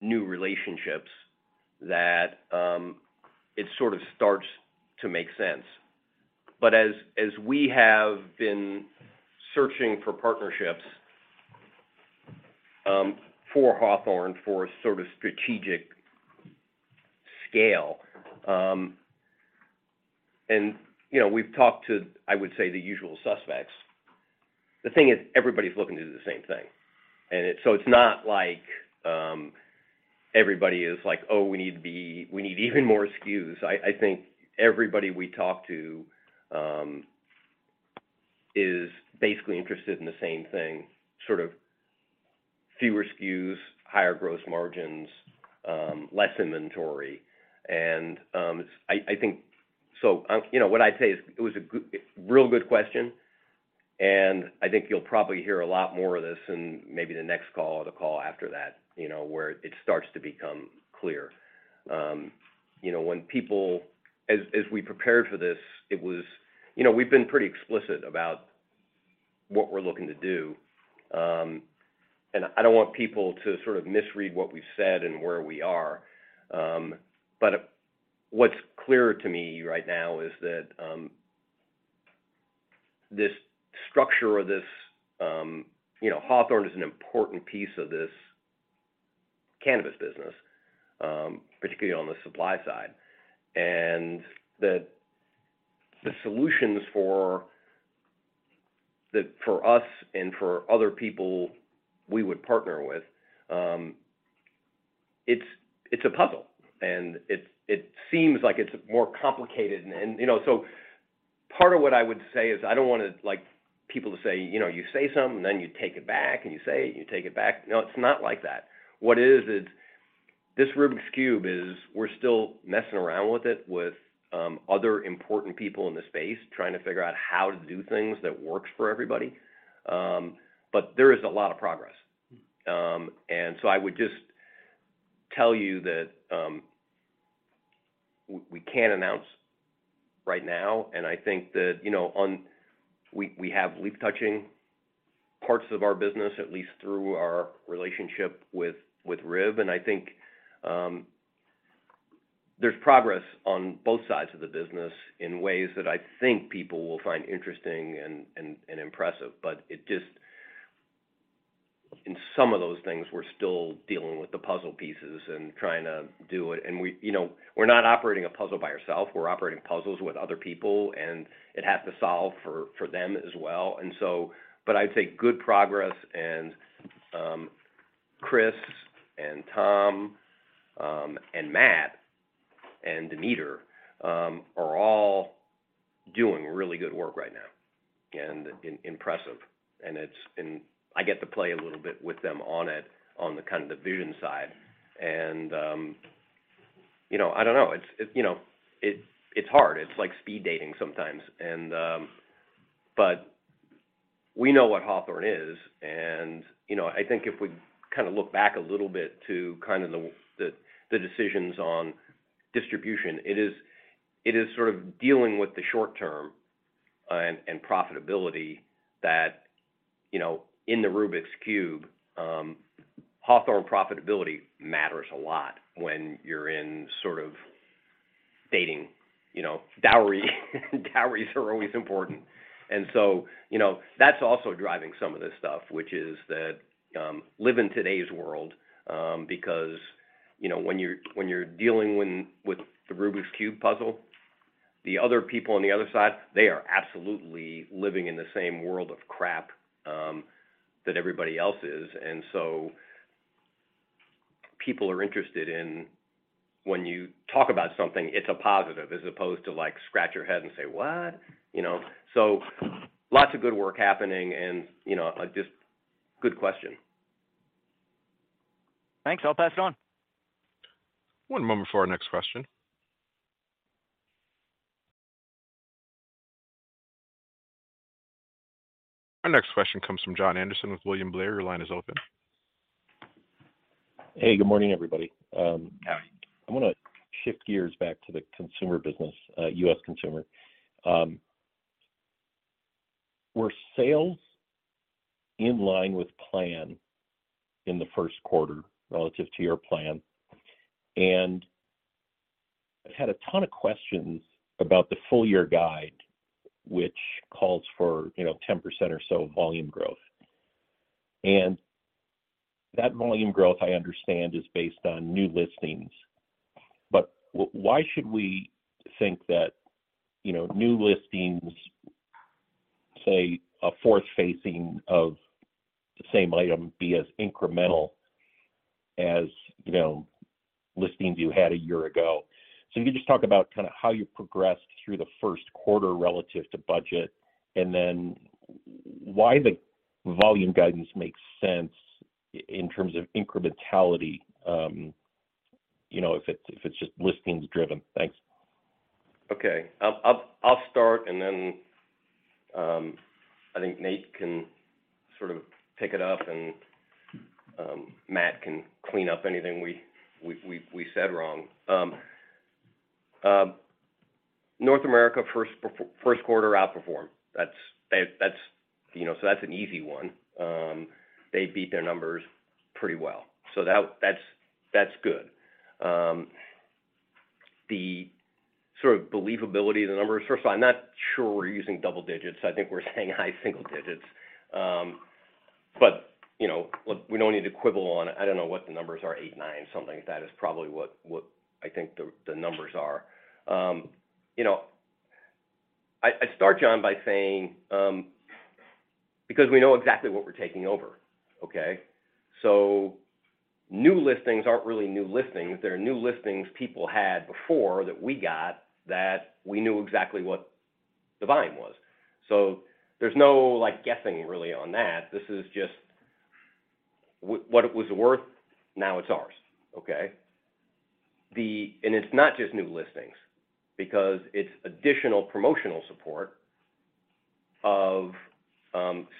new relationships, that it sort of starts to make sense. But as we have been searching for partnerships for Hawthorne, for a sort of strategic scale, and you know, we've talked to, I would say, the usual suspects. The thing is, everybody's looking to do the same thing. And so it's not like everybody is like, "Oh, we need to be—we need even more SKUs." I think everybody we talk to is basically interested in the same thing, sort of fewer SKUs, higher gross margins, less inventory. I think. So, you know, what I'd say is, it was a good, a real good question. I think you'll probably hear a lot more of this in maybe the next call or the call after that, you know, where it starts to become clear. You know, when people, as we prepared for this. You know, we've been pretty explicit about what we're looking to do. And I don't want people to sort of misread what we've said and where we are. But what's clear to me right now is that this structure or this, you know, Hawthorne is an important piece of this cannabis business, particularly on the supply side, and that the solutions for that for us and for other people we would partner with, it's a puzzle, and it seems like it's more complicated. You know, so part of what I would say is, I don't want it, like, people to say, "You know, you say something, and then you take it back, and you say it, and you take it back." No, it's not like that. What it is, is this Rubik's Cube is we're still messing around with it, with other important people in the space, trying to figure out how to do things that works for everybody. But there is a lot of progress. And so I would just tell you that, we can't announce right now, and I think that, you know, on... We have leaf-touching parts of our business, at least through our relationship with RIV, and I think, there's progress on both sides of the business in ways that I think people will find interesting and, and, and impressive. But it just. In some of those things, we're still dealing with the puzzle pieces and trying to do it. And we, you know, we're not operating a puzzle by ourselves. We're operating puzzles with other people, and it has to solve for them as well. And so. But I'd say good progress, and Chris and Tom, and Matt, and Dimitar are all doing really good work right now, and impressive. And it's. And I get to play a little bit with them on it, on the kind of the vision side. And, you know, I don't know. It's, you know, it's hard. It's like speed dating sometimes. But we know what Hawthorne is, and, you know, I think if we kind of look back a little bit to kind of the decisions on distribution, it is sort of dealing with the short term, and profitability that, you know, in the Rubik's Cube, Hawthorne profitability matters a lot when you're in sort of dating, you know, dowry. Dowries are always important. So, you know, that's also driving some of this stuff, which is that live in today's world, because, you know, when you're dealing with the Rubik's Cube puzzle, the other people on the other side, they are absolutely living in the same world of crap that everybody else is. So people are interested in when you talk about something, it's a positive, as opposed to, like, scratch your head and say, "What?" You know. So lots of good work happening and, you know, like, just good question. Thanks. I'll pass it on. One moment before our next question. Our next question comes from John Anderson with William Blair. Your line is open. Hey, good morning, everybody. Hi. I wanna shift gears back to the consumer business, U.S. Consumer. Were sales in line with plan in the first quarter relative to your plan? And I've had a ton of questions about the full-year guide, which calls for, you know, 10% or so volume growth. And that volume growth, I understand, is based on new listings, but why should we think that, you know, new listings, say, a fourth facing of the same item, be as incremental as, you know, listings you had a year ago? So can you just talk about kind of how you progressed through the first quarter relative to budget, and then why the volume guidance makes sense in terms of incrementality, you know, if it's, if it's just listings driven? Thanks. Okay. I'll start, and then I think Nate can sort of pick it up, and Matt can clean up anything we said wrong. North America first quarter outperformed. That's, you know, so that's an easy one. They beat their numbers pretty well, so that's good. The sort of believability of the numbers, first of all, I'm not sure we're using double digits. I think we're saying high single digits. But, you know, look, we don't need to quibble on it. I don't know what the numbers are, 8, 9, something like that is probably what I think the numbers are. You know, I'd start, Jon, by saying, because we know exactly what we're taking over, okay? So new listings aren't really new listings. They're new listings people had before that we got, that we knew exactly what the volume was. So there's no, like, guessing really on that. This is just what it was worth, now it's ours, okay? And it's not just new listings, because it's additional promotional support of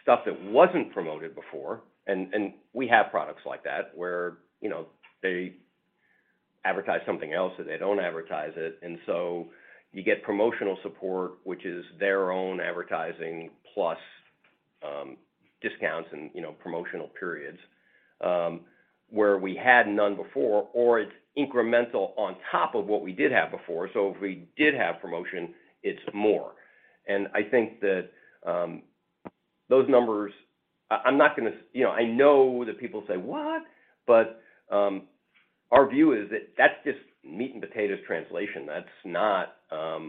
stuff that wasn't promoted before. And we have products like that, where, you know, they advertise something else, and they don't advertise it. And so you get promotional support, which is their own advertising, plus discounts and, you know, promotional periods, where we had none before, or it's incremental on top of what we did have before. So if we did have promotion, it's more. And I think that those numbers, I'm not gonna, you know, I know that people say, "What?" But our view is that that's just meat and potatoes translation. That's not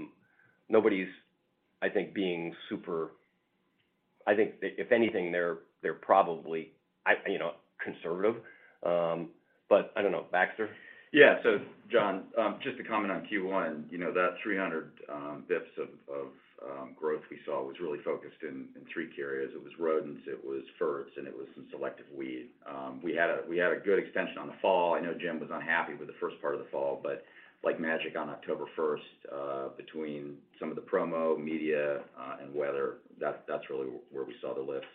– nobody's, I think, being super. I think that if anything, they're probably, you know, conservative. But I don't know. Baxter? Yeah. So, John, just to comment on Q1, you know, that 300 basis points of growth we saw was really focused in three areas. It was rodents, it was fertilizers, and it was some selective weed. We had a good extension on the fall. I know Jim was unhappy with the first part of the fall, but like magic, on October first, between some of the promo, media, and weather, that's really where we saw the lift.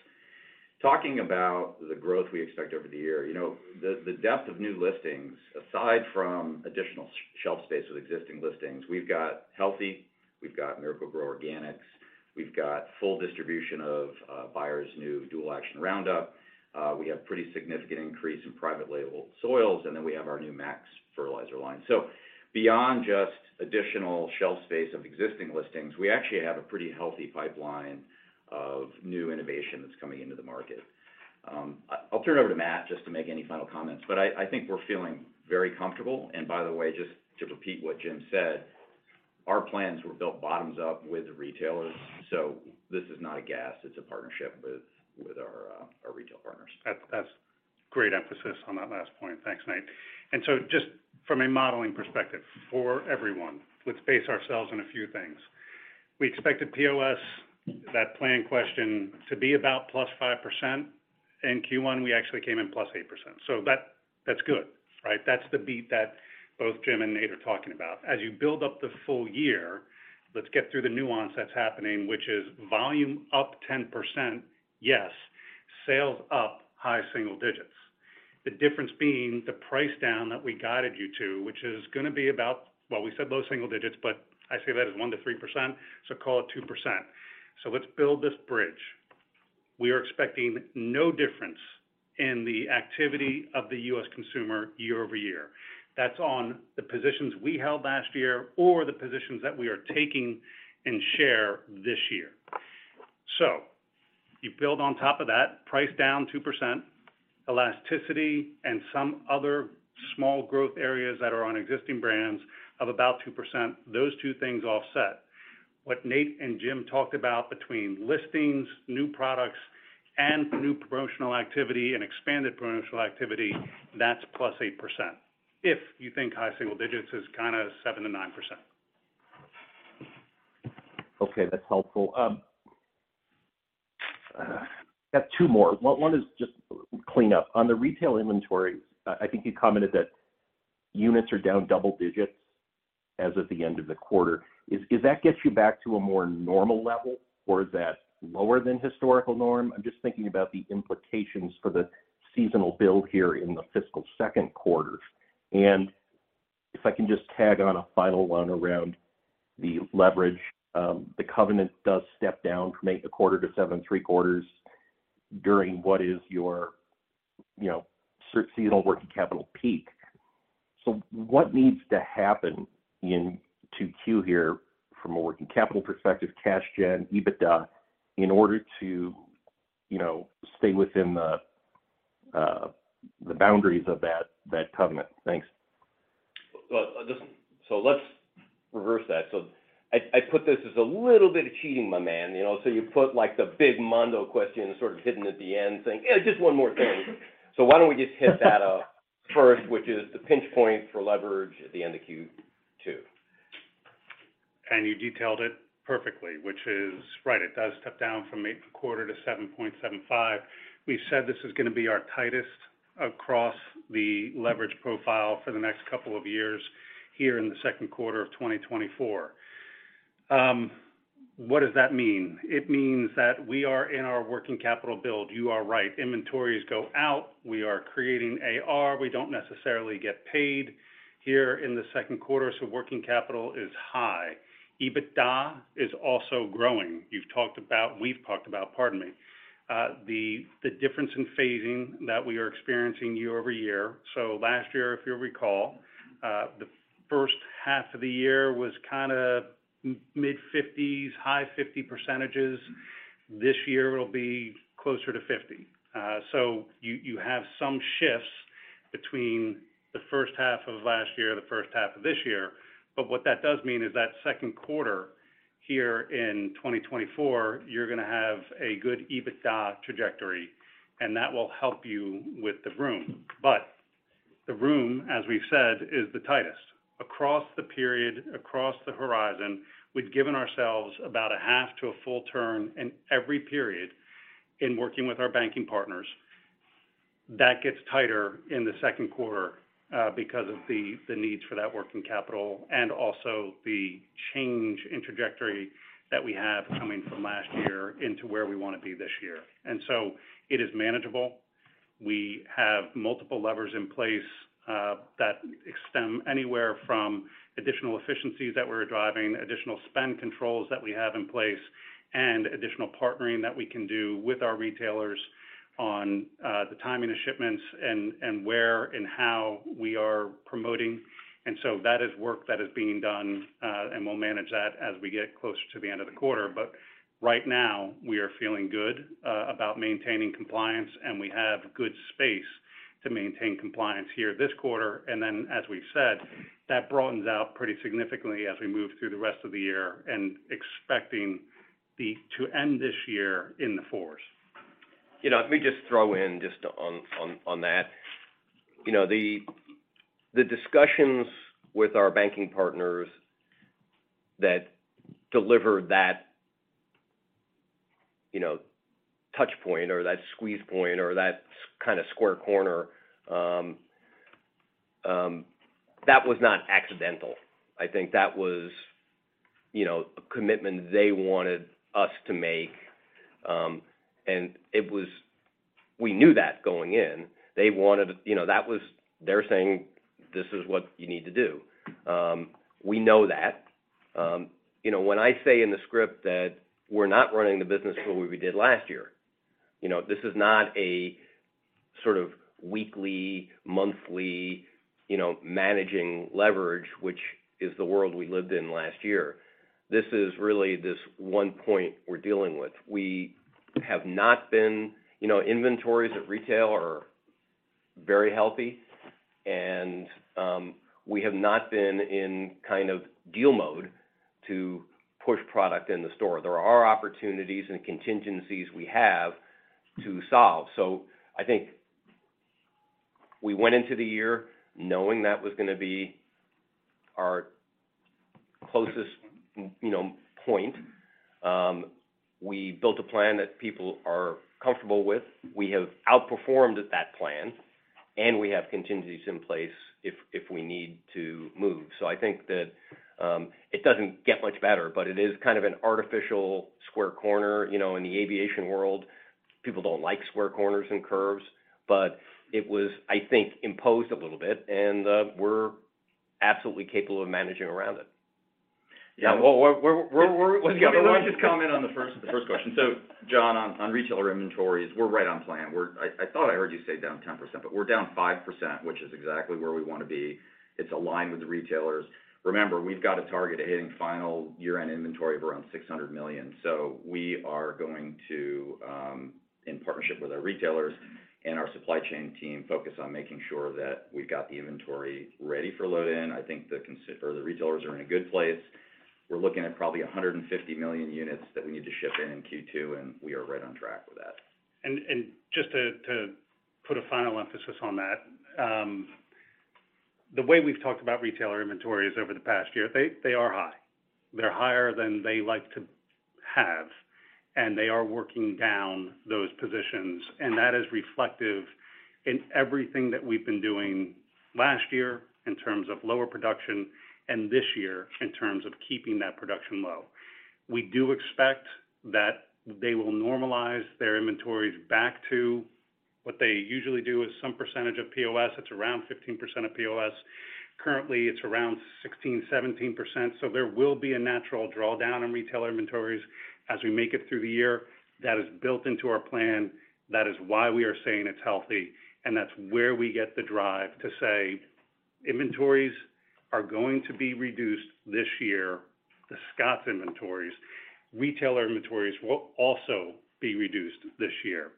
Talking about the growth we expect over the year, you know, the depth of new listings, aside from additional shelf space with existing listings, we've got Healthy, we've got Miracle-Gro Organics, we've got full distribution of Bayer's new Dual Action Roundup, we have pretty significant increase in private label soils, and then we have our new Max fertilizer line. So beyond just additional shelf space of existing listings, we actually have a pretty healthy pipeline of new innovation that's coming into the market. I'll turn it over to Matt, just to make any final comments, but I think we're feeling very comfortable. And by the way, just to repeat what Jim said, our plans were built bottoms up with the retailers, so this is not a guess, it's a partnership with our retail partners. That's, that's great emphasis on that last point. Thanks, Nate. So just from a modeling perspective, for everyone, let's base ourselves on a few things. We expected POS, that plan question, to be about +5%. In Q1, we actually came in +8%. So that- that's good, right? That's the beat that both Jim and Nate are talking about. As you build up the full year, let's get through the nuance that's happening, which is volume up 10%, yes, sales up, high single digits. The difference being the price down that we guided you to, which is gonna be about... Well, we said low single digits, but I say that is 1%-3%, so call it 2%. So let's build this bridge. We are expecting no difference in the activity of the U.S. Consumer year-over-year. That's on the positions we held last year or the positions that we are taking in share this year. So you build on top of that, price down 2%, elasticity and some other small growth areas that are on existing brands of about 2%, those two things offset. What Nate and Jim talked about between listings, new products, and new promotional activity and expanded promotional activity, that's plus 8%, if you think high single digits is kind of 7%-9%. Okay, that's helpful. Got two more. One is just clean up. On the retail inventory, I think you commented that units are down double digits as of the end of the quarter. Does that get you back to a more normal level, or is that lower than historical norm? I'm just thinking about the implications for the seasonal build here in the fiscal second quarter. And if I can just tag on a final one around the leverage, the covenant does step down from 8.25 to 7.75 during what is your, you know, certain seasonal working capital peak. So what needs to happen in 2Q here from a working capital perspective, cash gen, EBITDA, in order to, you know, stay within the boundaries of that covenant? Thanks. Well, just so let's reverse that. So I put this as a little bit of cheating, my man, you know. So you put, like, the big mondo question sort of hidden at the end, saying, "Yeah, just one more thing." So why don't we just hit that first, which is the pinch point for leverage at the end of Q2. You detailed it perfectly, which is... Right, it does step down from 8.25 to 7.75. We said this is gonna be our tightest across the leverage profile for the next couple of years here in the second quarter of 2024. What does that mean? It means that we are in our working capital build. You are right. Inventories go out, we are creating AR, we don't necessarily get paid here in the second quarter, so working capital is high. EBITDA is also growing. You've talked about, we've talked about, pardon me, the difference in phasing that we are experiencing year-over-year. So last year, if you'll recall, the first half of the year was kind of mid-50s, high 50s percentages. This year, it'll be closer to 50%. So you have some shifts between the first half of last year or the first half of this year. But what that does mean is that second quarter, here in 2024, you're gonna have a good EBITDA trajectory, and that will help you with the room. But the room, as we've said, is the tightest. Across the period, across the horizon, we've given ourselves about a half to a full turn in every period in working with our banking partners. That gets tighter in the second quarter, because of the needs for that working capital and also the change in trajectory that we have coming from last year into where we wanna be this year. And so it is manageable. We have multiple levers in place that extend anywhere from additional efficiencies that we're driving, additional spend controls that we have in place, and additional partnering that we can do with our retailers on the timing of shipments and where and how we are promoting. And so that is work that is being done, and we'll manage that as we get closer to the end of the quarter. But right now, we are feeling good about maintaining compliance, and we have good space to maintain compliance here this quarter. And then, as we've said, that broadens out pretty significantly as we move through the rest of the year and expecting the-- to end this year in the fours. You know, let me just throw in just on that. You know, the discussions with our banking partners that delivered that, you know, touch point or that squeeze point or that kind of square corner, that was not accidental. I think that was, you know, a commitment they wanted us to make, and it was. We knew that going in. They wanted. You know, that was. They're saying, "This is what you need to do." We know that. You know, when I say in the script that we're not running the business the way we did last year, you know, this is not a sort of weekly, monthly, you know, managing leverage, which is the world we lived in last year. This is really this one point we're dealing with. We have not been... You know, inventories at retail are very healthy, and we have not been in kind of deal mode to push product in the store. There are opportunities and contingencies we have to solve. So I think we went into the year knowing that was gonna be our closest, you know, point. We built a plan that people are comfortable with. We have outperformed at that plan, and we have contingencies in place if we need to move. So I think that it doesn't get much better, but it is kind of an artificial square corner. You know, in the aviation world, people don't like square corners and curves, but it was, I think, imposed a little bit, and we're absolutely capable of managing around it. Yeah. Well, we're- Yeah, but let me just comment on the first, the first question. So, John, on retailer inventories, we're right on plan. We're—I thought I heard you say down 10%, but we're down 5%, which is exactly where we wanna be. It's aligned with the retailers. Remember, we've got a target of hitting final year-end inventory of around $600 million. So we are going to, in partnership with our retailers and our supply chain team, focus on making sure that we've got the inventory ready for load in. I think the retailers are in a good place. We're looking at probably 150 million units that we need to ship in in Q2, and we are right on track with that. Just to put a final emphasis on that, the way we've talked about retailer inventories over the past year, they are high. They're higher than they like to have, and they are working down those positions, and that is reflective in everything that we've been doing last year in terms of lower production and this year in terms of keeping that production low. We do expect that they will normalize their inventories back to what they usually do with some percentage of POS. It's around 15% of POS. Currently, it's around 16%-17%. So there will be a natural drawdown in retailer inventories as we make it through the year. That is built into our plan. That is why we are saying it's healthy, and that's where we get the drive to say: inventories are going to be reduced this year, the Scotts inventories. Retailer inventories will also be reduced this year.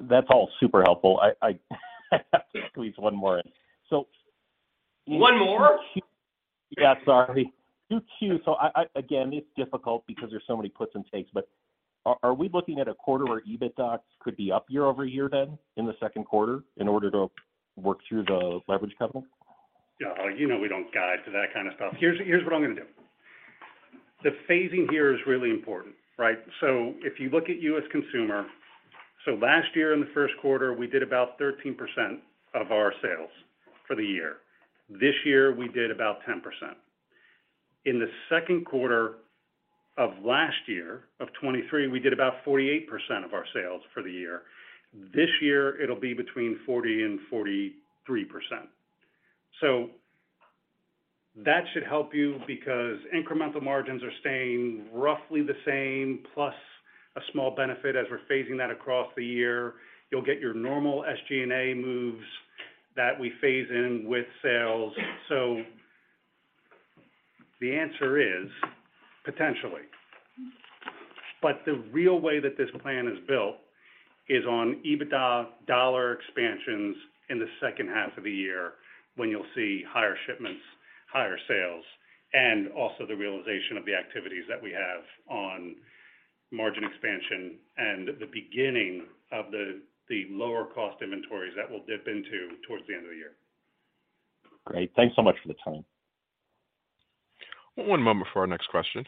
That's all super helpful. I have to squeeze one more in. So- One more? Yeah, sorry. 2Q. So I again, it's difficult because there's so many puts and takes, but are we looking at a quarter where EBITDA could be up year-over-year then in the second quarter in order to work through the leverage covenant? Yeah, you know, we don't guide to that kind of stuff. Here's, here's what I'm gonna do. The phasing here is really important, right? So if you look at U.S. Consumer, so last year in the first quarter, we did about 13% of our sales for the year. This year, we did about 10%. In the second quarter of last year, of 2023, we did about 48% of our sales for the year. This year, it'll be between 40% and 43%. So that should help you because incremental margins are staying roughly the same, plus a small benefit as we're phasing that across the year. You'll get your normal SG&A moves that we phase in with sales. So the answer is, potentially. The real way that this plan is built is on EBITDA dollar expansions in the second half of the year, when you'll see higher shipments... higher sales and also the realization of the activities that we have on margin expansion and the beginning of the lower cost inventories that we'll dip into towards the end of the year. Great. Thanks so much for the time. One moment before our next question.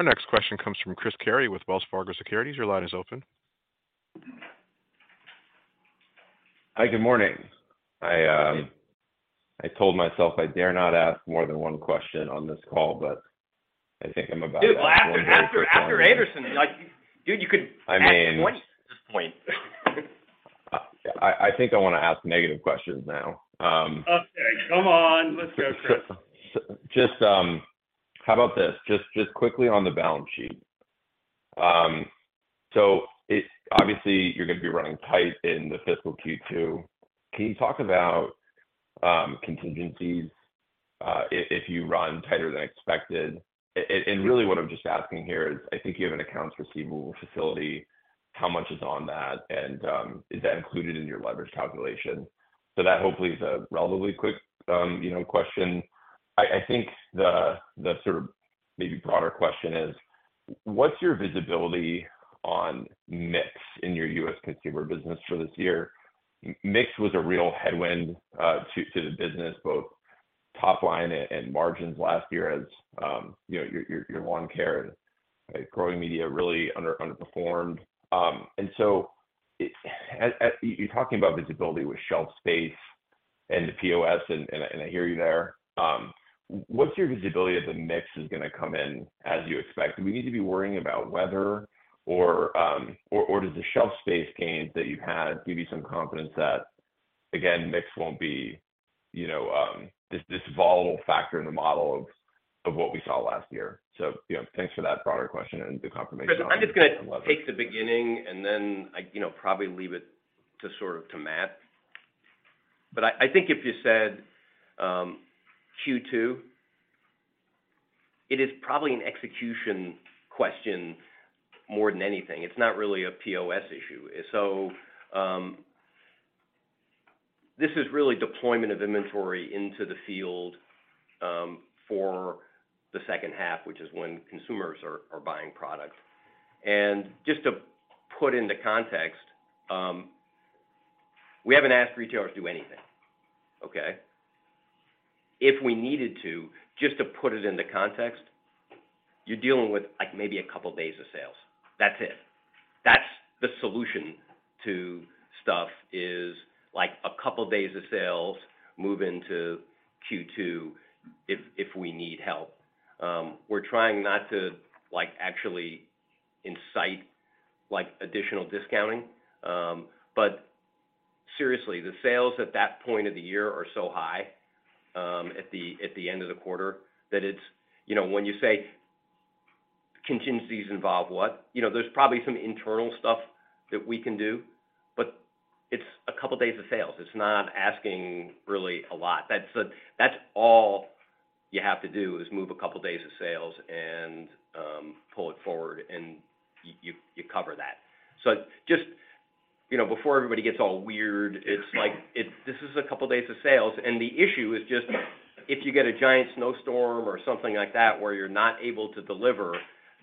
Our next question comes from Chris Carey with Wells Fargo Securities. Your line is open. Hi, good morning. I, I told myself I dare not ask more than one question on this call, but I think I'm about- Dude, after Anderson, like, dude, you could- I mean- Ask twice at this point. I think I wanna ask negative questions now. Okay, come on. Let's go, Chris. Just, how about this? Just quickly on the balance sheet. So it obviously, you're gonna be running tight in the fiscal Q2. Can you talk about contingencies, if you run tighter than expected? And really what I'm just asking here is, I think you have an accounts receivable facility, how much is on that? And, is that included in your leverage calculation? So that hopefully is a relatively quick, you know, question. I think the sort of maybe broader question is: What's your visibility on mix in your U.S. Consumer business for this year? Mix was a real headwind to the business, both top line and margins last year as, you know, your lawn care and growing media really underperformed. And so, you're talking about visibility with shelf space and the POS, and I hear you there. What's your visibility that the mix is gonna come in as you expected? Do we need to be worrying about weather or, or does the shelf space gains that you've had give you some confidence that, again, mix won't be, you know, this, this volatile factor in the model of what we saw last year? So, you know, thanks for that broader question and the confirmation- I'm just gonna take the beginning and then I, you know, probably leave it to sort of to Matt. But I think if you said Q2, it is probably an execution question more than anything. It's not really a POS issue. So this is really deployment of inventory into the field for the second half, which is when consumers are buying products. And just to put into context, we haven't asked retailers to do anything, okay? If we needed to, just to put it into context, you're dealing with, like, maybe a couple days of sales. That's it. That's the solution to stuff, is like a couple days of sales move into Q2 if we need help. We're trying not to, like, actually incite, like, additional discounting. But seriously, the sales at that point of the year are so high, at the end of the quarter, that it's... You know, when you say contingencies involve what? You know, there's probably some internal stuff that we can do, but it's a couple days of sales. It's not asking really a lot. That's all you have to do, is move a couple days of sales and pull it forward, and you cover that. So just, you know, before everybody gets all weird, it's like, this is a couple days of sales, and the issue is just if you get a giant snowstorm or something like that, where you're not able to deliver,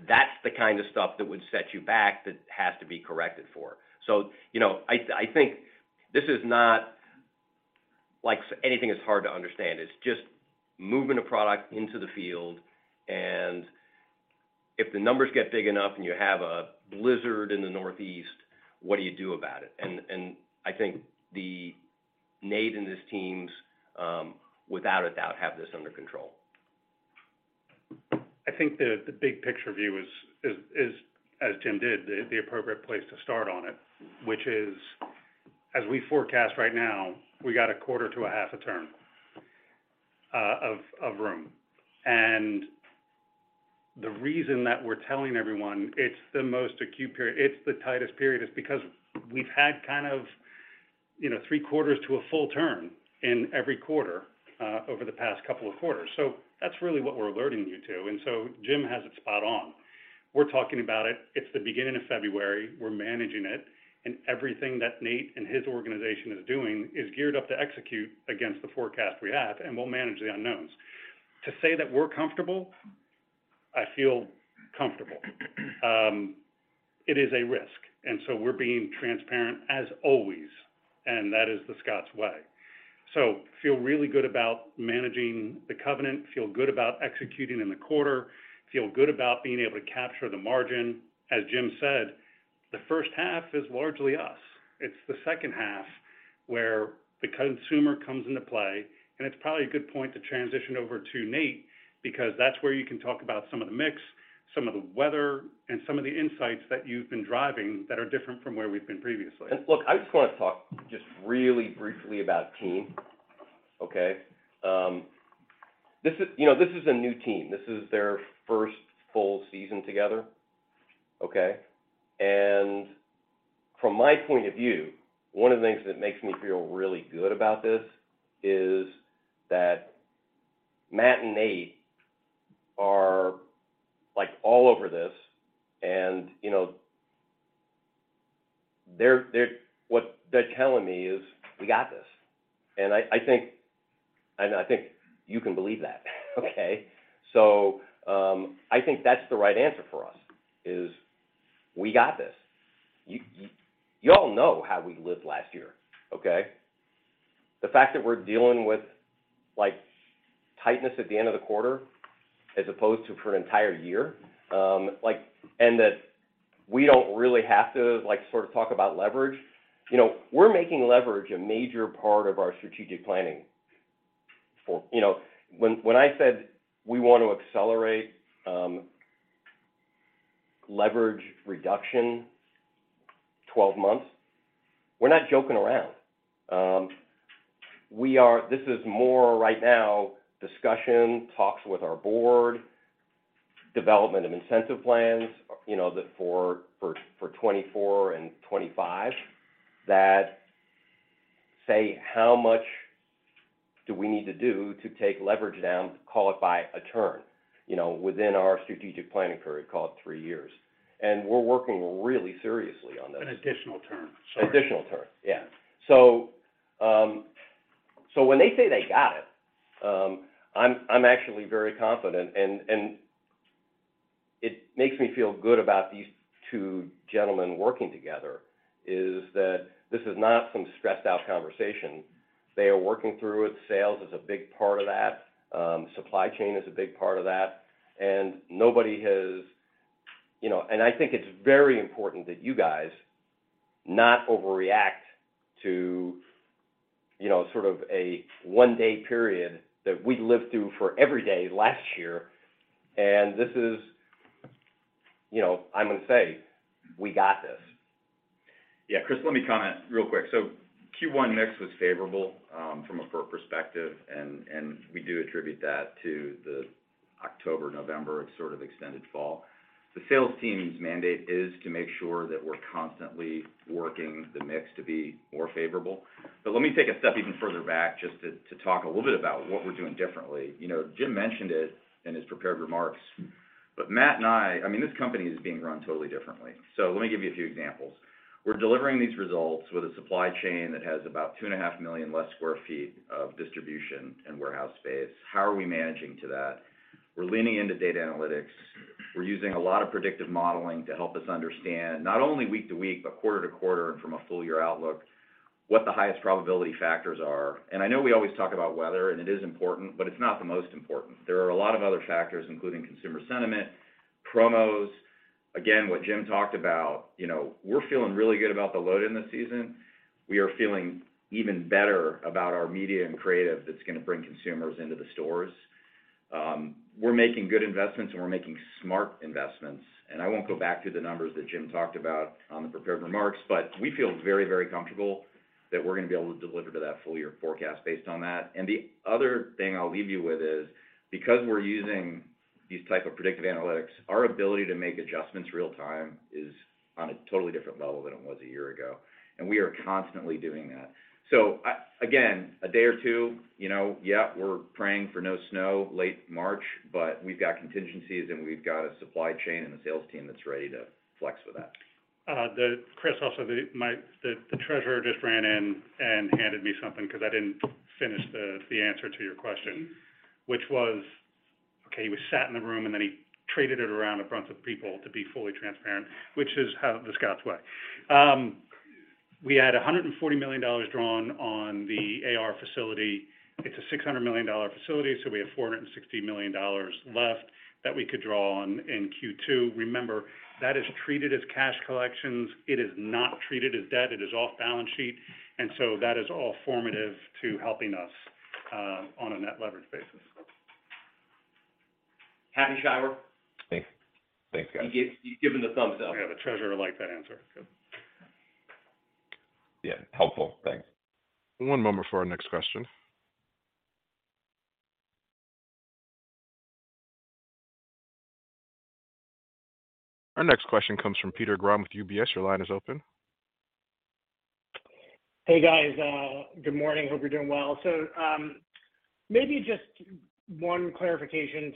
that's the kind of stuff that would set you back that has to be corrected for. So, you know, I think this is not like anything that's hard to understand. It's just moving a product into the field, and if the numbers get big enough and you have a blizzard in the Northeast, what do you do about it? And I think Nate and his teams, without a doubt, have this under control. I think the big picture view is, as Jim did, the appropriate place to start on it, which is, as we forecast right now, we got a quarter to a half a term of room. And the reason that we're telling everyone it's the most acute period, it's the tightest period, is because we've had kind of, you know, three quarters to a full term in every quarter over the past couple of quarters. So that's really what we're alerting you to. And so Jim has it spot on. We're talking about it. It's the beginning of February. We're managing it, and everything that Nate and his organization is doing is geared up to execute against the forecast we have, and we'll manage the unknowns. To say that we're comfortable, I feel comfortable. It is a risk, and so we're being transparent as always, and that is the Scotts way. So feel really good about managing the covenant, feel good about executing in the quarter, feel good about being able to capture the margin. As Jim said, the first half is largely us. It's the second half where the consumer comes into play, and it's probably a good point to transition over to Nate, because that's where you can talk about some of the mix, some of the weather, and some of the insights that you've been driving that are different from where we've been previously. Look, I just wanna talk just really briefly about team, okay? This is, you know, this is a new team. This is their first full season together, okay? And from my point of view, one of the things that makes me feel really good about this is that Matt and Nate are like all over this, and, you know, they're what they're telling me is: we got this. And I think you can believe that, okay? So, I think that's the right answer for us, is we got this. You all know how we lived last year, okay? The fact that we're dealing with, like, tightness at the end of the quarter as opposed to for an entire year, like, and that we don't really have to, like, sort of talk about leverage. You know, we're making leverage a major part of our strategic planning for... You know, when, when I said we want to accelerate leverage reduction 12 months, we're not joking around. We are—this is more right now, discussion, talks with our board, development of incentive plans, you know, that for, for, for 2024 and 2025, that say, how much do we need to do to take leverage down, call it by a term, you know, within our strategic planning period, call it 3 years. And we're working really seriously on this. An additional term, sorry. Additional term, yeah. So, when they say they got it, I'm actually very confident and it makes me feel good about these two gentlemen working together, is that this is not some stressed-out conversation. They are working through it. Sales is a big part of that. Supply chain is a big part of that, and nobody has... You know, and I think it's very important that you guys not overreact to, you know, sort of a one-day period that we lived through for every day last year, and this is, you know, I'm going to say, we got this. Yeah, Chris, let me comment real quick. So Q1 mix was favorable from a product perspective, and we do attribute that to the October, November, sort of extended fall. The sales team's mandate is to make sure that we're constantly working the mix to be more favorable. But let me take a step even further back, just to talk a little bit about what we're doing differently. You know, Jim mentioned it in his prepared remarks, but Matt and I—I mean, this company is being run totally differently. So let me give you a few examples. We're delivering these results with a supply chain that has about 2.5 million less sq ft of distribution and warehouse space. How are we managing to that? We're leaning into data analytics. We're using a lot of predictive modeling to help us understand, not only week to week, but quarter to quarter and from a full year outlook, what the highest probability factors are. And I know we always talk about weather, and it is important, but it's not the most important. There are a lot of other factors, including consumer sentiment, promos. Again, what Jim talked about, you know, we're feeling really good about the load in the season. We are feeling even better about our media and creative that's gonna bring consumers into the stores. We're making good investments, and we're making smart investments. And I won't go back to the numbers that Jim talked about on the prepared remarks, but we feel very, very comfortable that we're gonna be able to deliver to that full year forecast based on that. And the other thing I'll leave you with is, because we're using these type of predictive analytics, our ability to make adjustments real time is on a totally different level than it was a year ago, and we are constantly doing that. So, again, a day or two, you know, yeah, we're praying for no snow late March, but we've got contingencies and we've got a supply chain and a sales team that's ready to flex with that. Chris, also, the treasurer just ran in and handed me something because I didn't finish the answer to your question, which was. Okay, he was sat in the room, and then he traded it around in front of people to be fully transparent, which is the Scotts' way. We had $140 million drawn on the AR facility. It's a $600 million facility, so we have $460 million left that we could draw on in Q2. Remember, that is treated as cash collections. It is not treated as debt. It is off balance sheet, and so that is all formative to helping us on a net leverage basis. Happy, Scheiber? Thanks. Thanks, guys. He's giving the thumbs up. Yeah, the treasurer liked that answer. Good. Yeah, helpful. Thanks. One moment for our next question. Our next question comes from Peter Grom with UBS. Your line is open. Hey, guys, good morning. Hope you're doing well. So, maybe just one clarification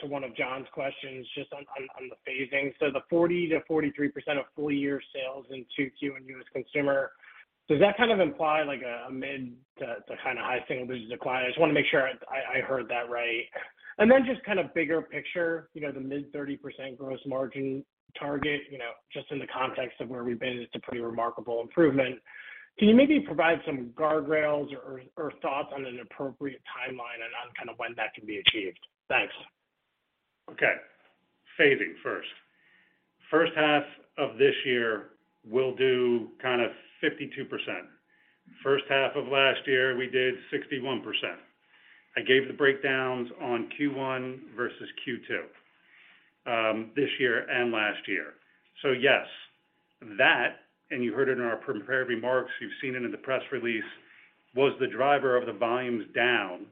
to one of Jon's questions, just on the phasing. So the 40%-43% of full year sales in Q2 in U.S. Consumer, does that kind of imply like a mid- to kind of high single-digit decline? I just want to make sure I heard that right. And then just kind of bigger picture, you know, the mid-30% gross margin target, you know, just in the context of where we've been, it's a pretty remarkable improvement. Can you maybe provide some guardrails or thoughts on an appropriate timeline and on kind of when that can be achieved? Thanks. Okay. Phasing first. First half of this year, we'll do kind of 52%. First half of last year, we did 61%. I gave the breakdowns on Q1 versus Q2, this year and last year. So yes, that, and you heard it in our prepared remarks, you've seen it in the press release, was the driver of the volumes down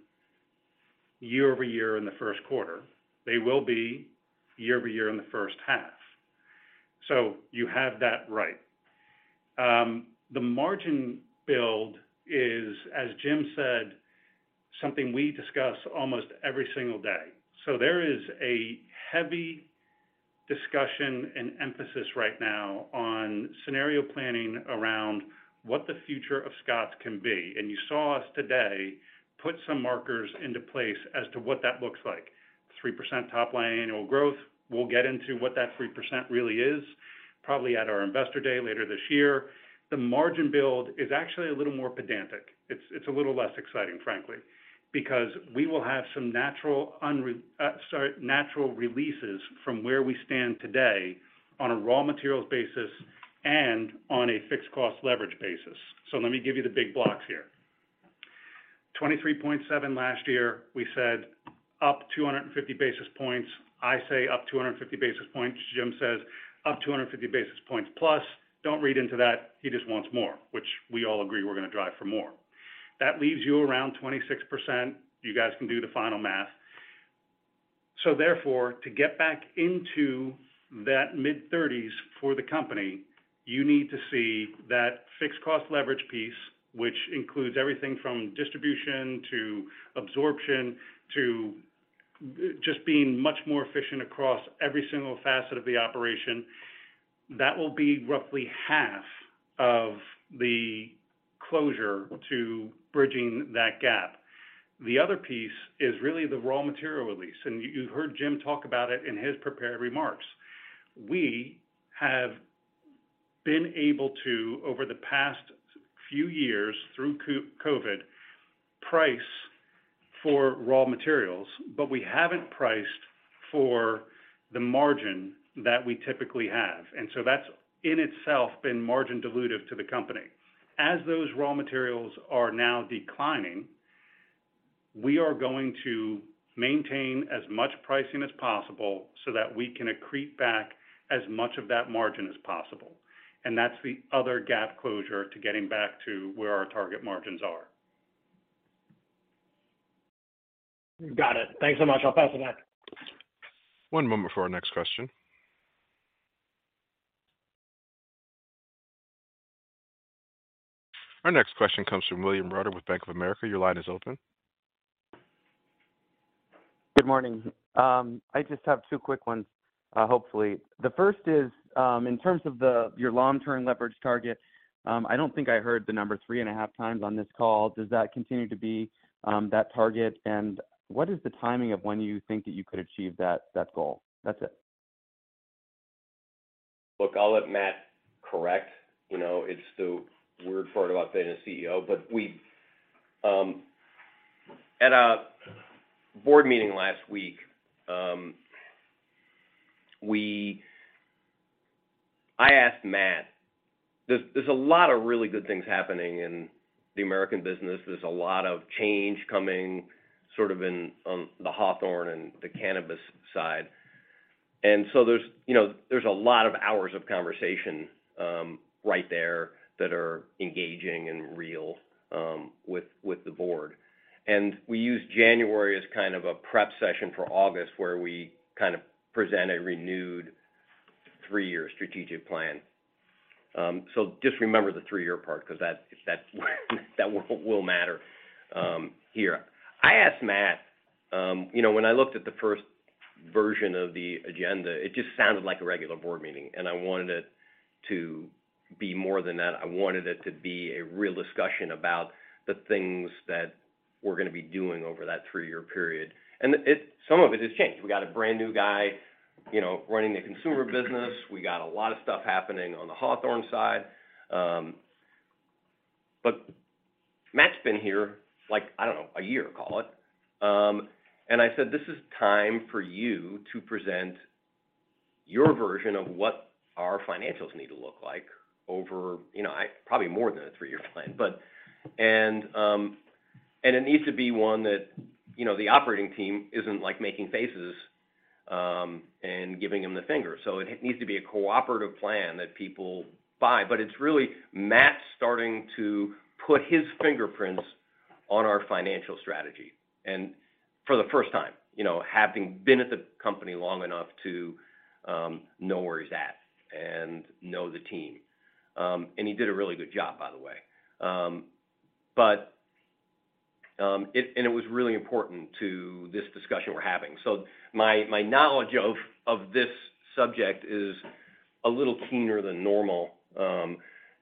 year-over-year in the first quarter. They will be year-over-year in the first half. So you have that right. The margin build is, as Jim said, something we discuss almost every single day. So there is a heavy discussion and emphasis right now on scenario planning around what the future of Scotts can be. And you saw us today put some markers into place as to what that looks like. 3% top line annual growth. We'll get into what that 3% really is, probably at our Investor Day later this year. The margin build is actually a little more pedantic. It's, it's a little less exciting, frankly, because we will have some natural releases from where we stand today on a raw materials basis and on a fixed cost leverage basis. So let me give you the big blocks here. 23.7 last year, we said up 250 basis points. I say up 250 basis points. Jim says up 250 basis points, plus. Don't read into that. He just wants more, which we all agree we're gonna drive for more. That leaves you around 26%. You guys can do the final math. So therefore, to get back into that mid-thirties for the company, you need to see that fixed cost leverage piece, which includes everything from distribution to absorption, to just being much more efficient across every single facet of the operation. That will be roughly half of the closer to bridging that gap. The other piece is really the raw material release, and you heard Jim talk about it in his prepared remarks. We have been able to, over the past few years through COVID, price for raw materials, but we haven't priced for the margin that we typically have, and so that's in itself been margin dilutive to the company. As those raw materials are now declining, we are going to maintain as much pricing as possible so that we can accrete back as much of that margin as possible. That's the other gap closure to getting back to where our target margins are. Got it. Thanks so much. I'll pass it back. One moment before our next question. Our next question comes from William Reuter with Bank of America. Your line is open. Good morning. I just have two quick ones, hopefully. The first is, in terms of the your long-term leverage target, I don't think I heard the number 3.5 times on this call. Does that continue to be, that target? And what is the timing of when you think that you could achieve that, that goal? That's it. Look, I'll let Matt correct. You know, it's the weird part about being a CEO. But we, at a board meeting last week, I asked Matt... There's, there's a lot of really good things happening in the American business. There's a lot of change coming, sort of in, on the Hawthorne and the cannabis side. And so there's, you know, there's a lot of hours of conversation, right there that are engaging and real, with, with the board. And we use January as kind of a prep session for August, where we kind of present a renewed three-year strategic plan. So just remember the three-year part, because that, that's, that will matter, here. I asked Matt, you know, when I looked at the first version of the agenda, it just sounded like a regular board meeting, and I wanted it to be more than that. I wanted it to be a real discussion about the things that we're gonna be doing over that three-year period. And some of it has changed. We got a brand-new guy, you know, running the consumer business. We got a lot of stuff happening on the Hawthorne side. But Matt's been here, like, I don't know, a year, call it. And I said, "This is time for you to present your version of what our financials need to look like over, you know, probably more than a three-year plan, but..." And it needs to be one that, you know, the operating team isn't like making faces and giving him the finger. So it needs to be a cooperative plan that people buy, but it's really Matt starting to put his fingerprints on our financial strategy. And for the first time, you know, having been at the company long enough to know where he's at and know the team. And he did a really good job, by the way. But it was really important to this discussion we're having. So my, my knowledge of, of this subject is a little keener than normal,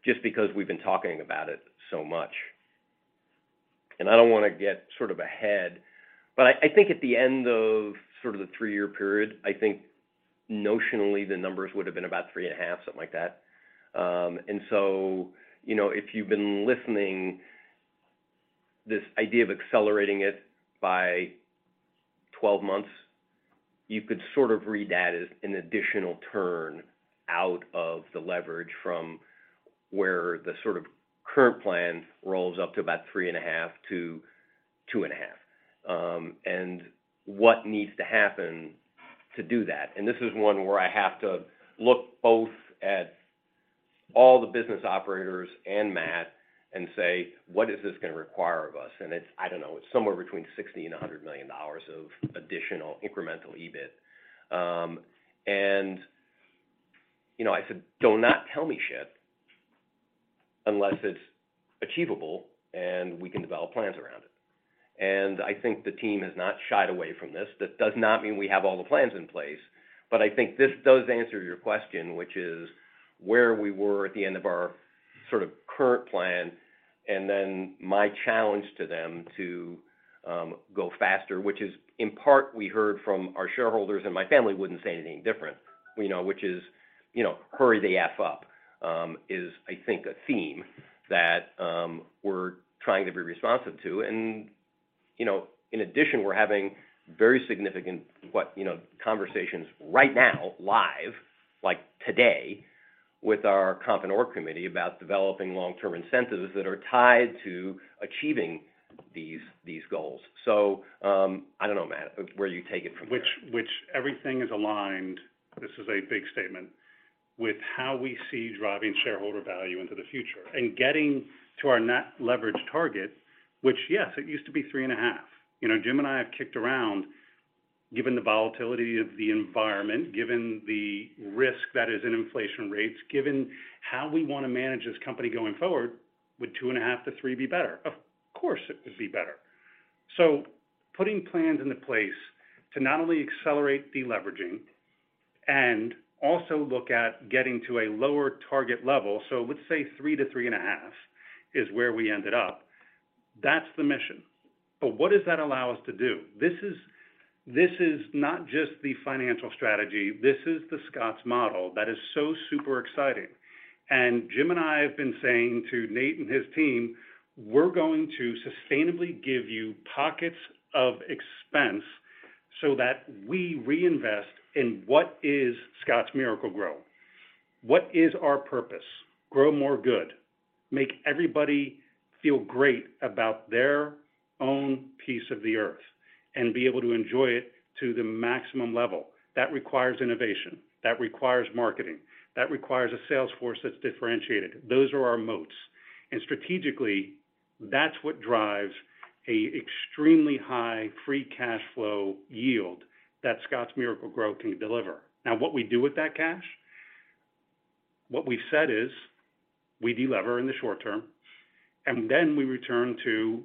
just because we've been talking about it so much. And I don't wanna get sort of ahead, but I, I think at the end of sort of the three-year period, I think notionally the numbers would have been about 3.5, something like that. And so, you know, if you've been listening, this idea of accelerating it by 12 months, you could sort of read that as an additional turn out of the leverage from where the sort of current plan rolls up to about 3.5-2.5. And what needs to happen to do that? And this is one where I have to look both at- ... all the business operators and Matt and say, "What is this gonna require of us?" And it's, I don't know, it's somewhere between $60 million and $100 million of additional incremental EBIT. And, you know, I said, "Do not tell me shit unless it's achievable, and we can develop plans around it." And I think the team has not shied away from this. That does not mean we have all the plans in place, but I think this does answer your question, which is, where we were at the end of our sort of current plan, and then my challenge to them to go faster, which is, in part, we heard from our shareholders, and my family wouldn't say anything different, you know, which is, you know, hurry the F up, is, I think, a theme that we're trying to be responsive to. You know, in addition, we're having very significant, you know, conversations right now, live, like, today, with our Comp and Org Committee about developing long-term incentives that are tied to achieving these goals. So, I don't know, Matt, where you take it from there. Everything is aligned, this is a big statement with how we see driving shareholder value into the future and getting to our net leverage target, which, yes, it used to be 3.5. You know, Jim and I have kicked around, given the volatility of the environment, given the risk that is in inflation rates, given how we wanna manage this company going forward, would 2.5-3 be better? Of course, it would be better. So putting plans into place to not only accelerate deleveraging and also look at getting to a lower target level, so let's say 3-3.5 is where we ended up, that's the mission. But what does that allow us to do? This is, this is not just the financial strategy, this is the Scotts model that is so super exciting. Jim and I have been saying to Nate and his team, "We're going to sustainably give you pockets of expense so that we reinvest in what is Scotts Miracle-Gro. What is our purpose? GroMoreGood, make everybody feel great about their own piece of the Earth, and be able to enjoy it to the maximum level. That requires innovation, that requires marketing, that requires a sales force that's differentiated. Those are our moats. And strategically, that's what drives a extremely high free cash flow yield that Scotts Miracle-Gro can deliver. Now, what we do with that cash, what we've said is, we delever in the short term, and then we return to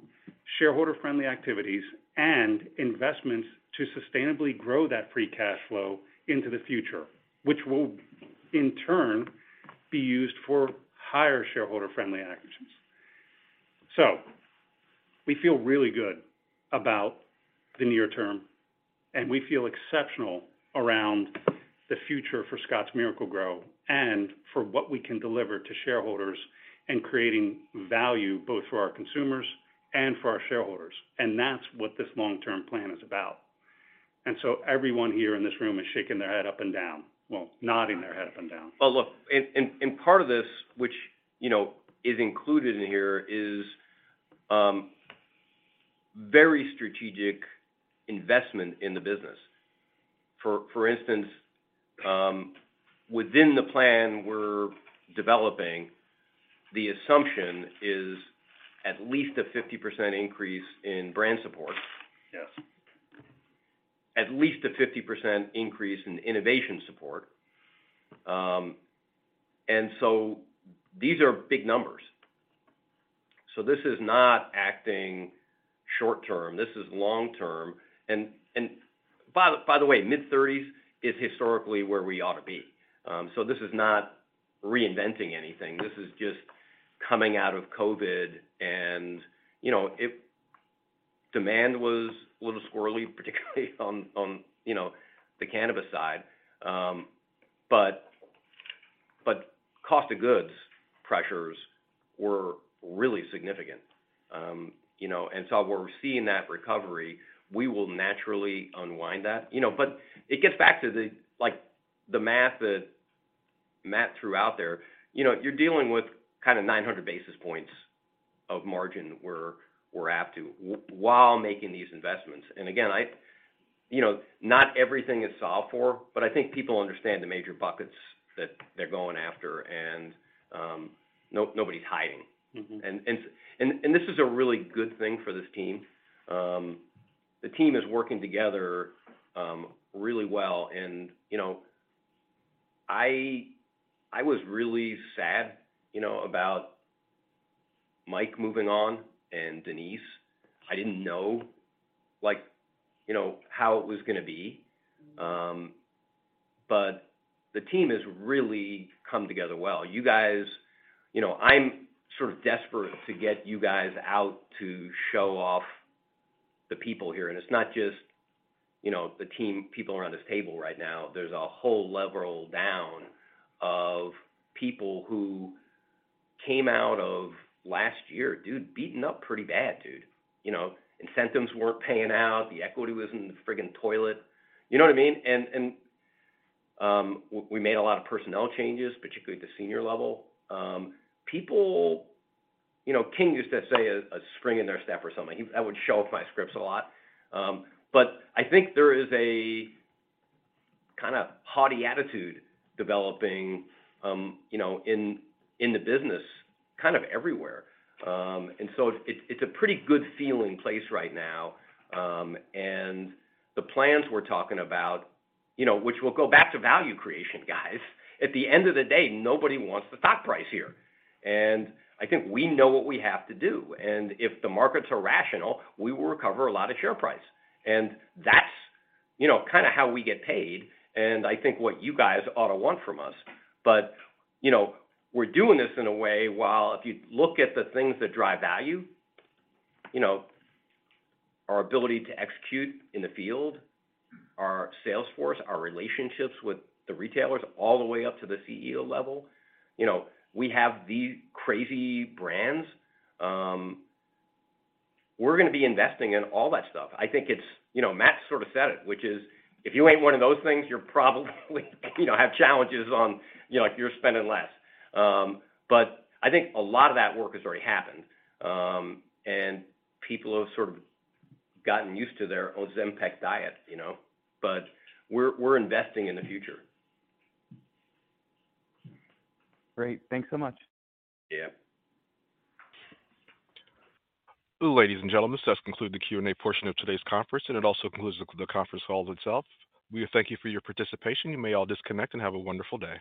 shareholder-friendly activities and investments to sustainably grow that free cash flow into the future, which will, in turn, be used for higher shareholder-friendly actions. So we feel really good about the near term, and we feel exceptional around the future for Scotts Miracle-Gro and for what we can deliver to shareholders and creating value both for our consumers and for our shareholders. That's what this long-term plan is about. So everyone here in this room is shaking their head up and down, well, nodding their head up and down. Well, look, and part of this, which, you know, is included in here, is very strategic investment in the business. For instance, within the plan we're developing, the assumption is at least a 50% increase in brand support. Yes. At least a 50% increase in innovation support. And so these are big numbers. So this is not acting short term, this is long term. And by the way, mid-30s is historically where we ought to be. So this is not reinventing anything. This is just coming out of COVID and, you know, it... Demand was a little squirrely, particularly on, you know, the cannabis side. But cost of goods pressures were really significant. You know, and so where we're seeing that recovery, we will naturally unwind that. You know, but it gets back to, like, the math that Matt threw out there. You know, you're dealing with kind of 900 basis points of margin, we're up to while making these investments. And again, I you know, not everything is solved for, but I think people understand the major buckets that they're going after, and nobody's hiding. This is a really good thing for this team. The team is working together really well. You know, I was really sad, you know, about Mike moving on and Denise. I didn't know, like, you know, how it was gonna be. But the team has really come together well. You guys, you know, I'm sort of desperate to get you guys out to show off the people here. It's not just, you know, the team, people around this table right now. There's a whole level down of people who came out of last year, dude, beaten up pretty bad, dude. You know what I mean? We made a lot of personnel changes, particularly at the senior level. People, you know, Ken used to say, "a spring in their step" or something. He—I would show off my Scotts a lot. But I think there is a kinda haughty attitude developing, you know, in the business, kind of everywhere. And so it's a pretty good feeling place right now. And the plans we're talking about, you know, which we'll go back to value creation, guys. At the end of the day, nobody wants the stock price here, and I think we know what we have to do. And if the markets are rational, we will recover a lot of share price. And that's, you know, kinda how we get paid, and I think what you guys ought to want from us. But, you know, we're doing this in a way, while if you look at the things that drive value, you know, our ability to execute in the field, our sales force, our relationships with the retailers, all the way up to the CEO level, you know, we have these crazy brands. We're gonna be investing in all that stuff. I think it's... You know, Matt sort of said it, which is, if you ain't one of those things, you're probably, you know, have challenges on, you know, you're spending less. But I think a lot of that work has already happened, and people have sort of gotten used to their Ozempic diet, you know? But we're, we're investing in the future. Great. Thanks so much. Yeah. Ladies and gentlemen, this does conclude the Q&A portion of today's conference, and it also concludes the conference call itself. We thank you for your participation. You may all disconnect and have a wonderful day.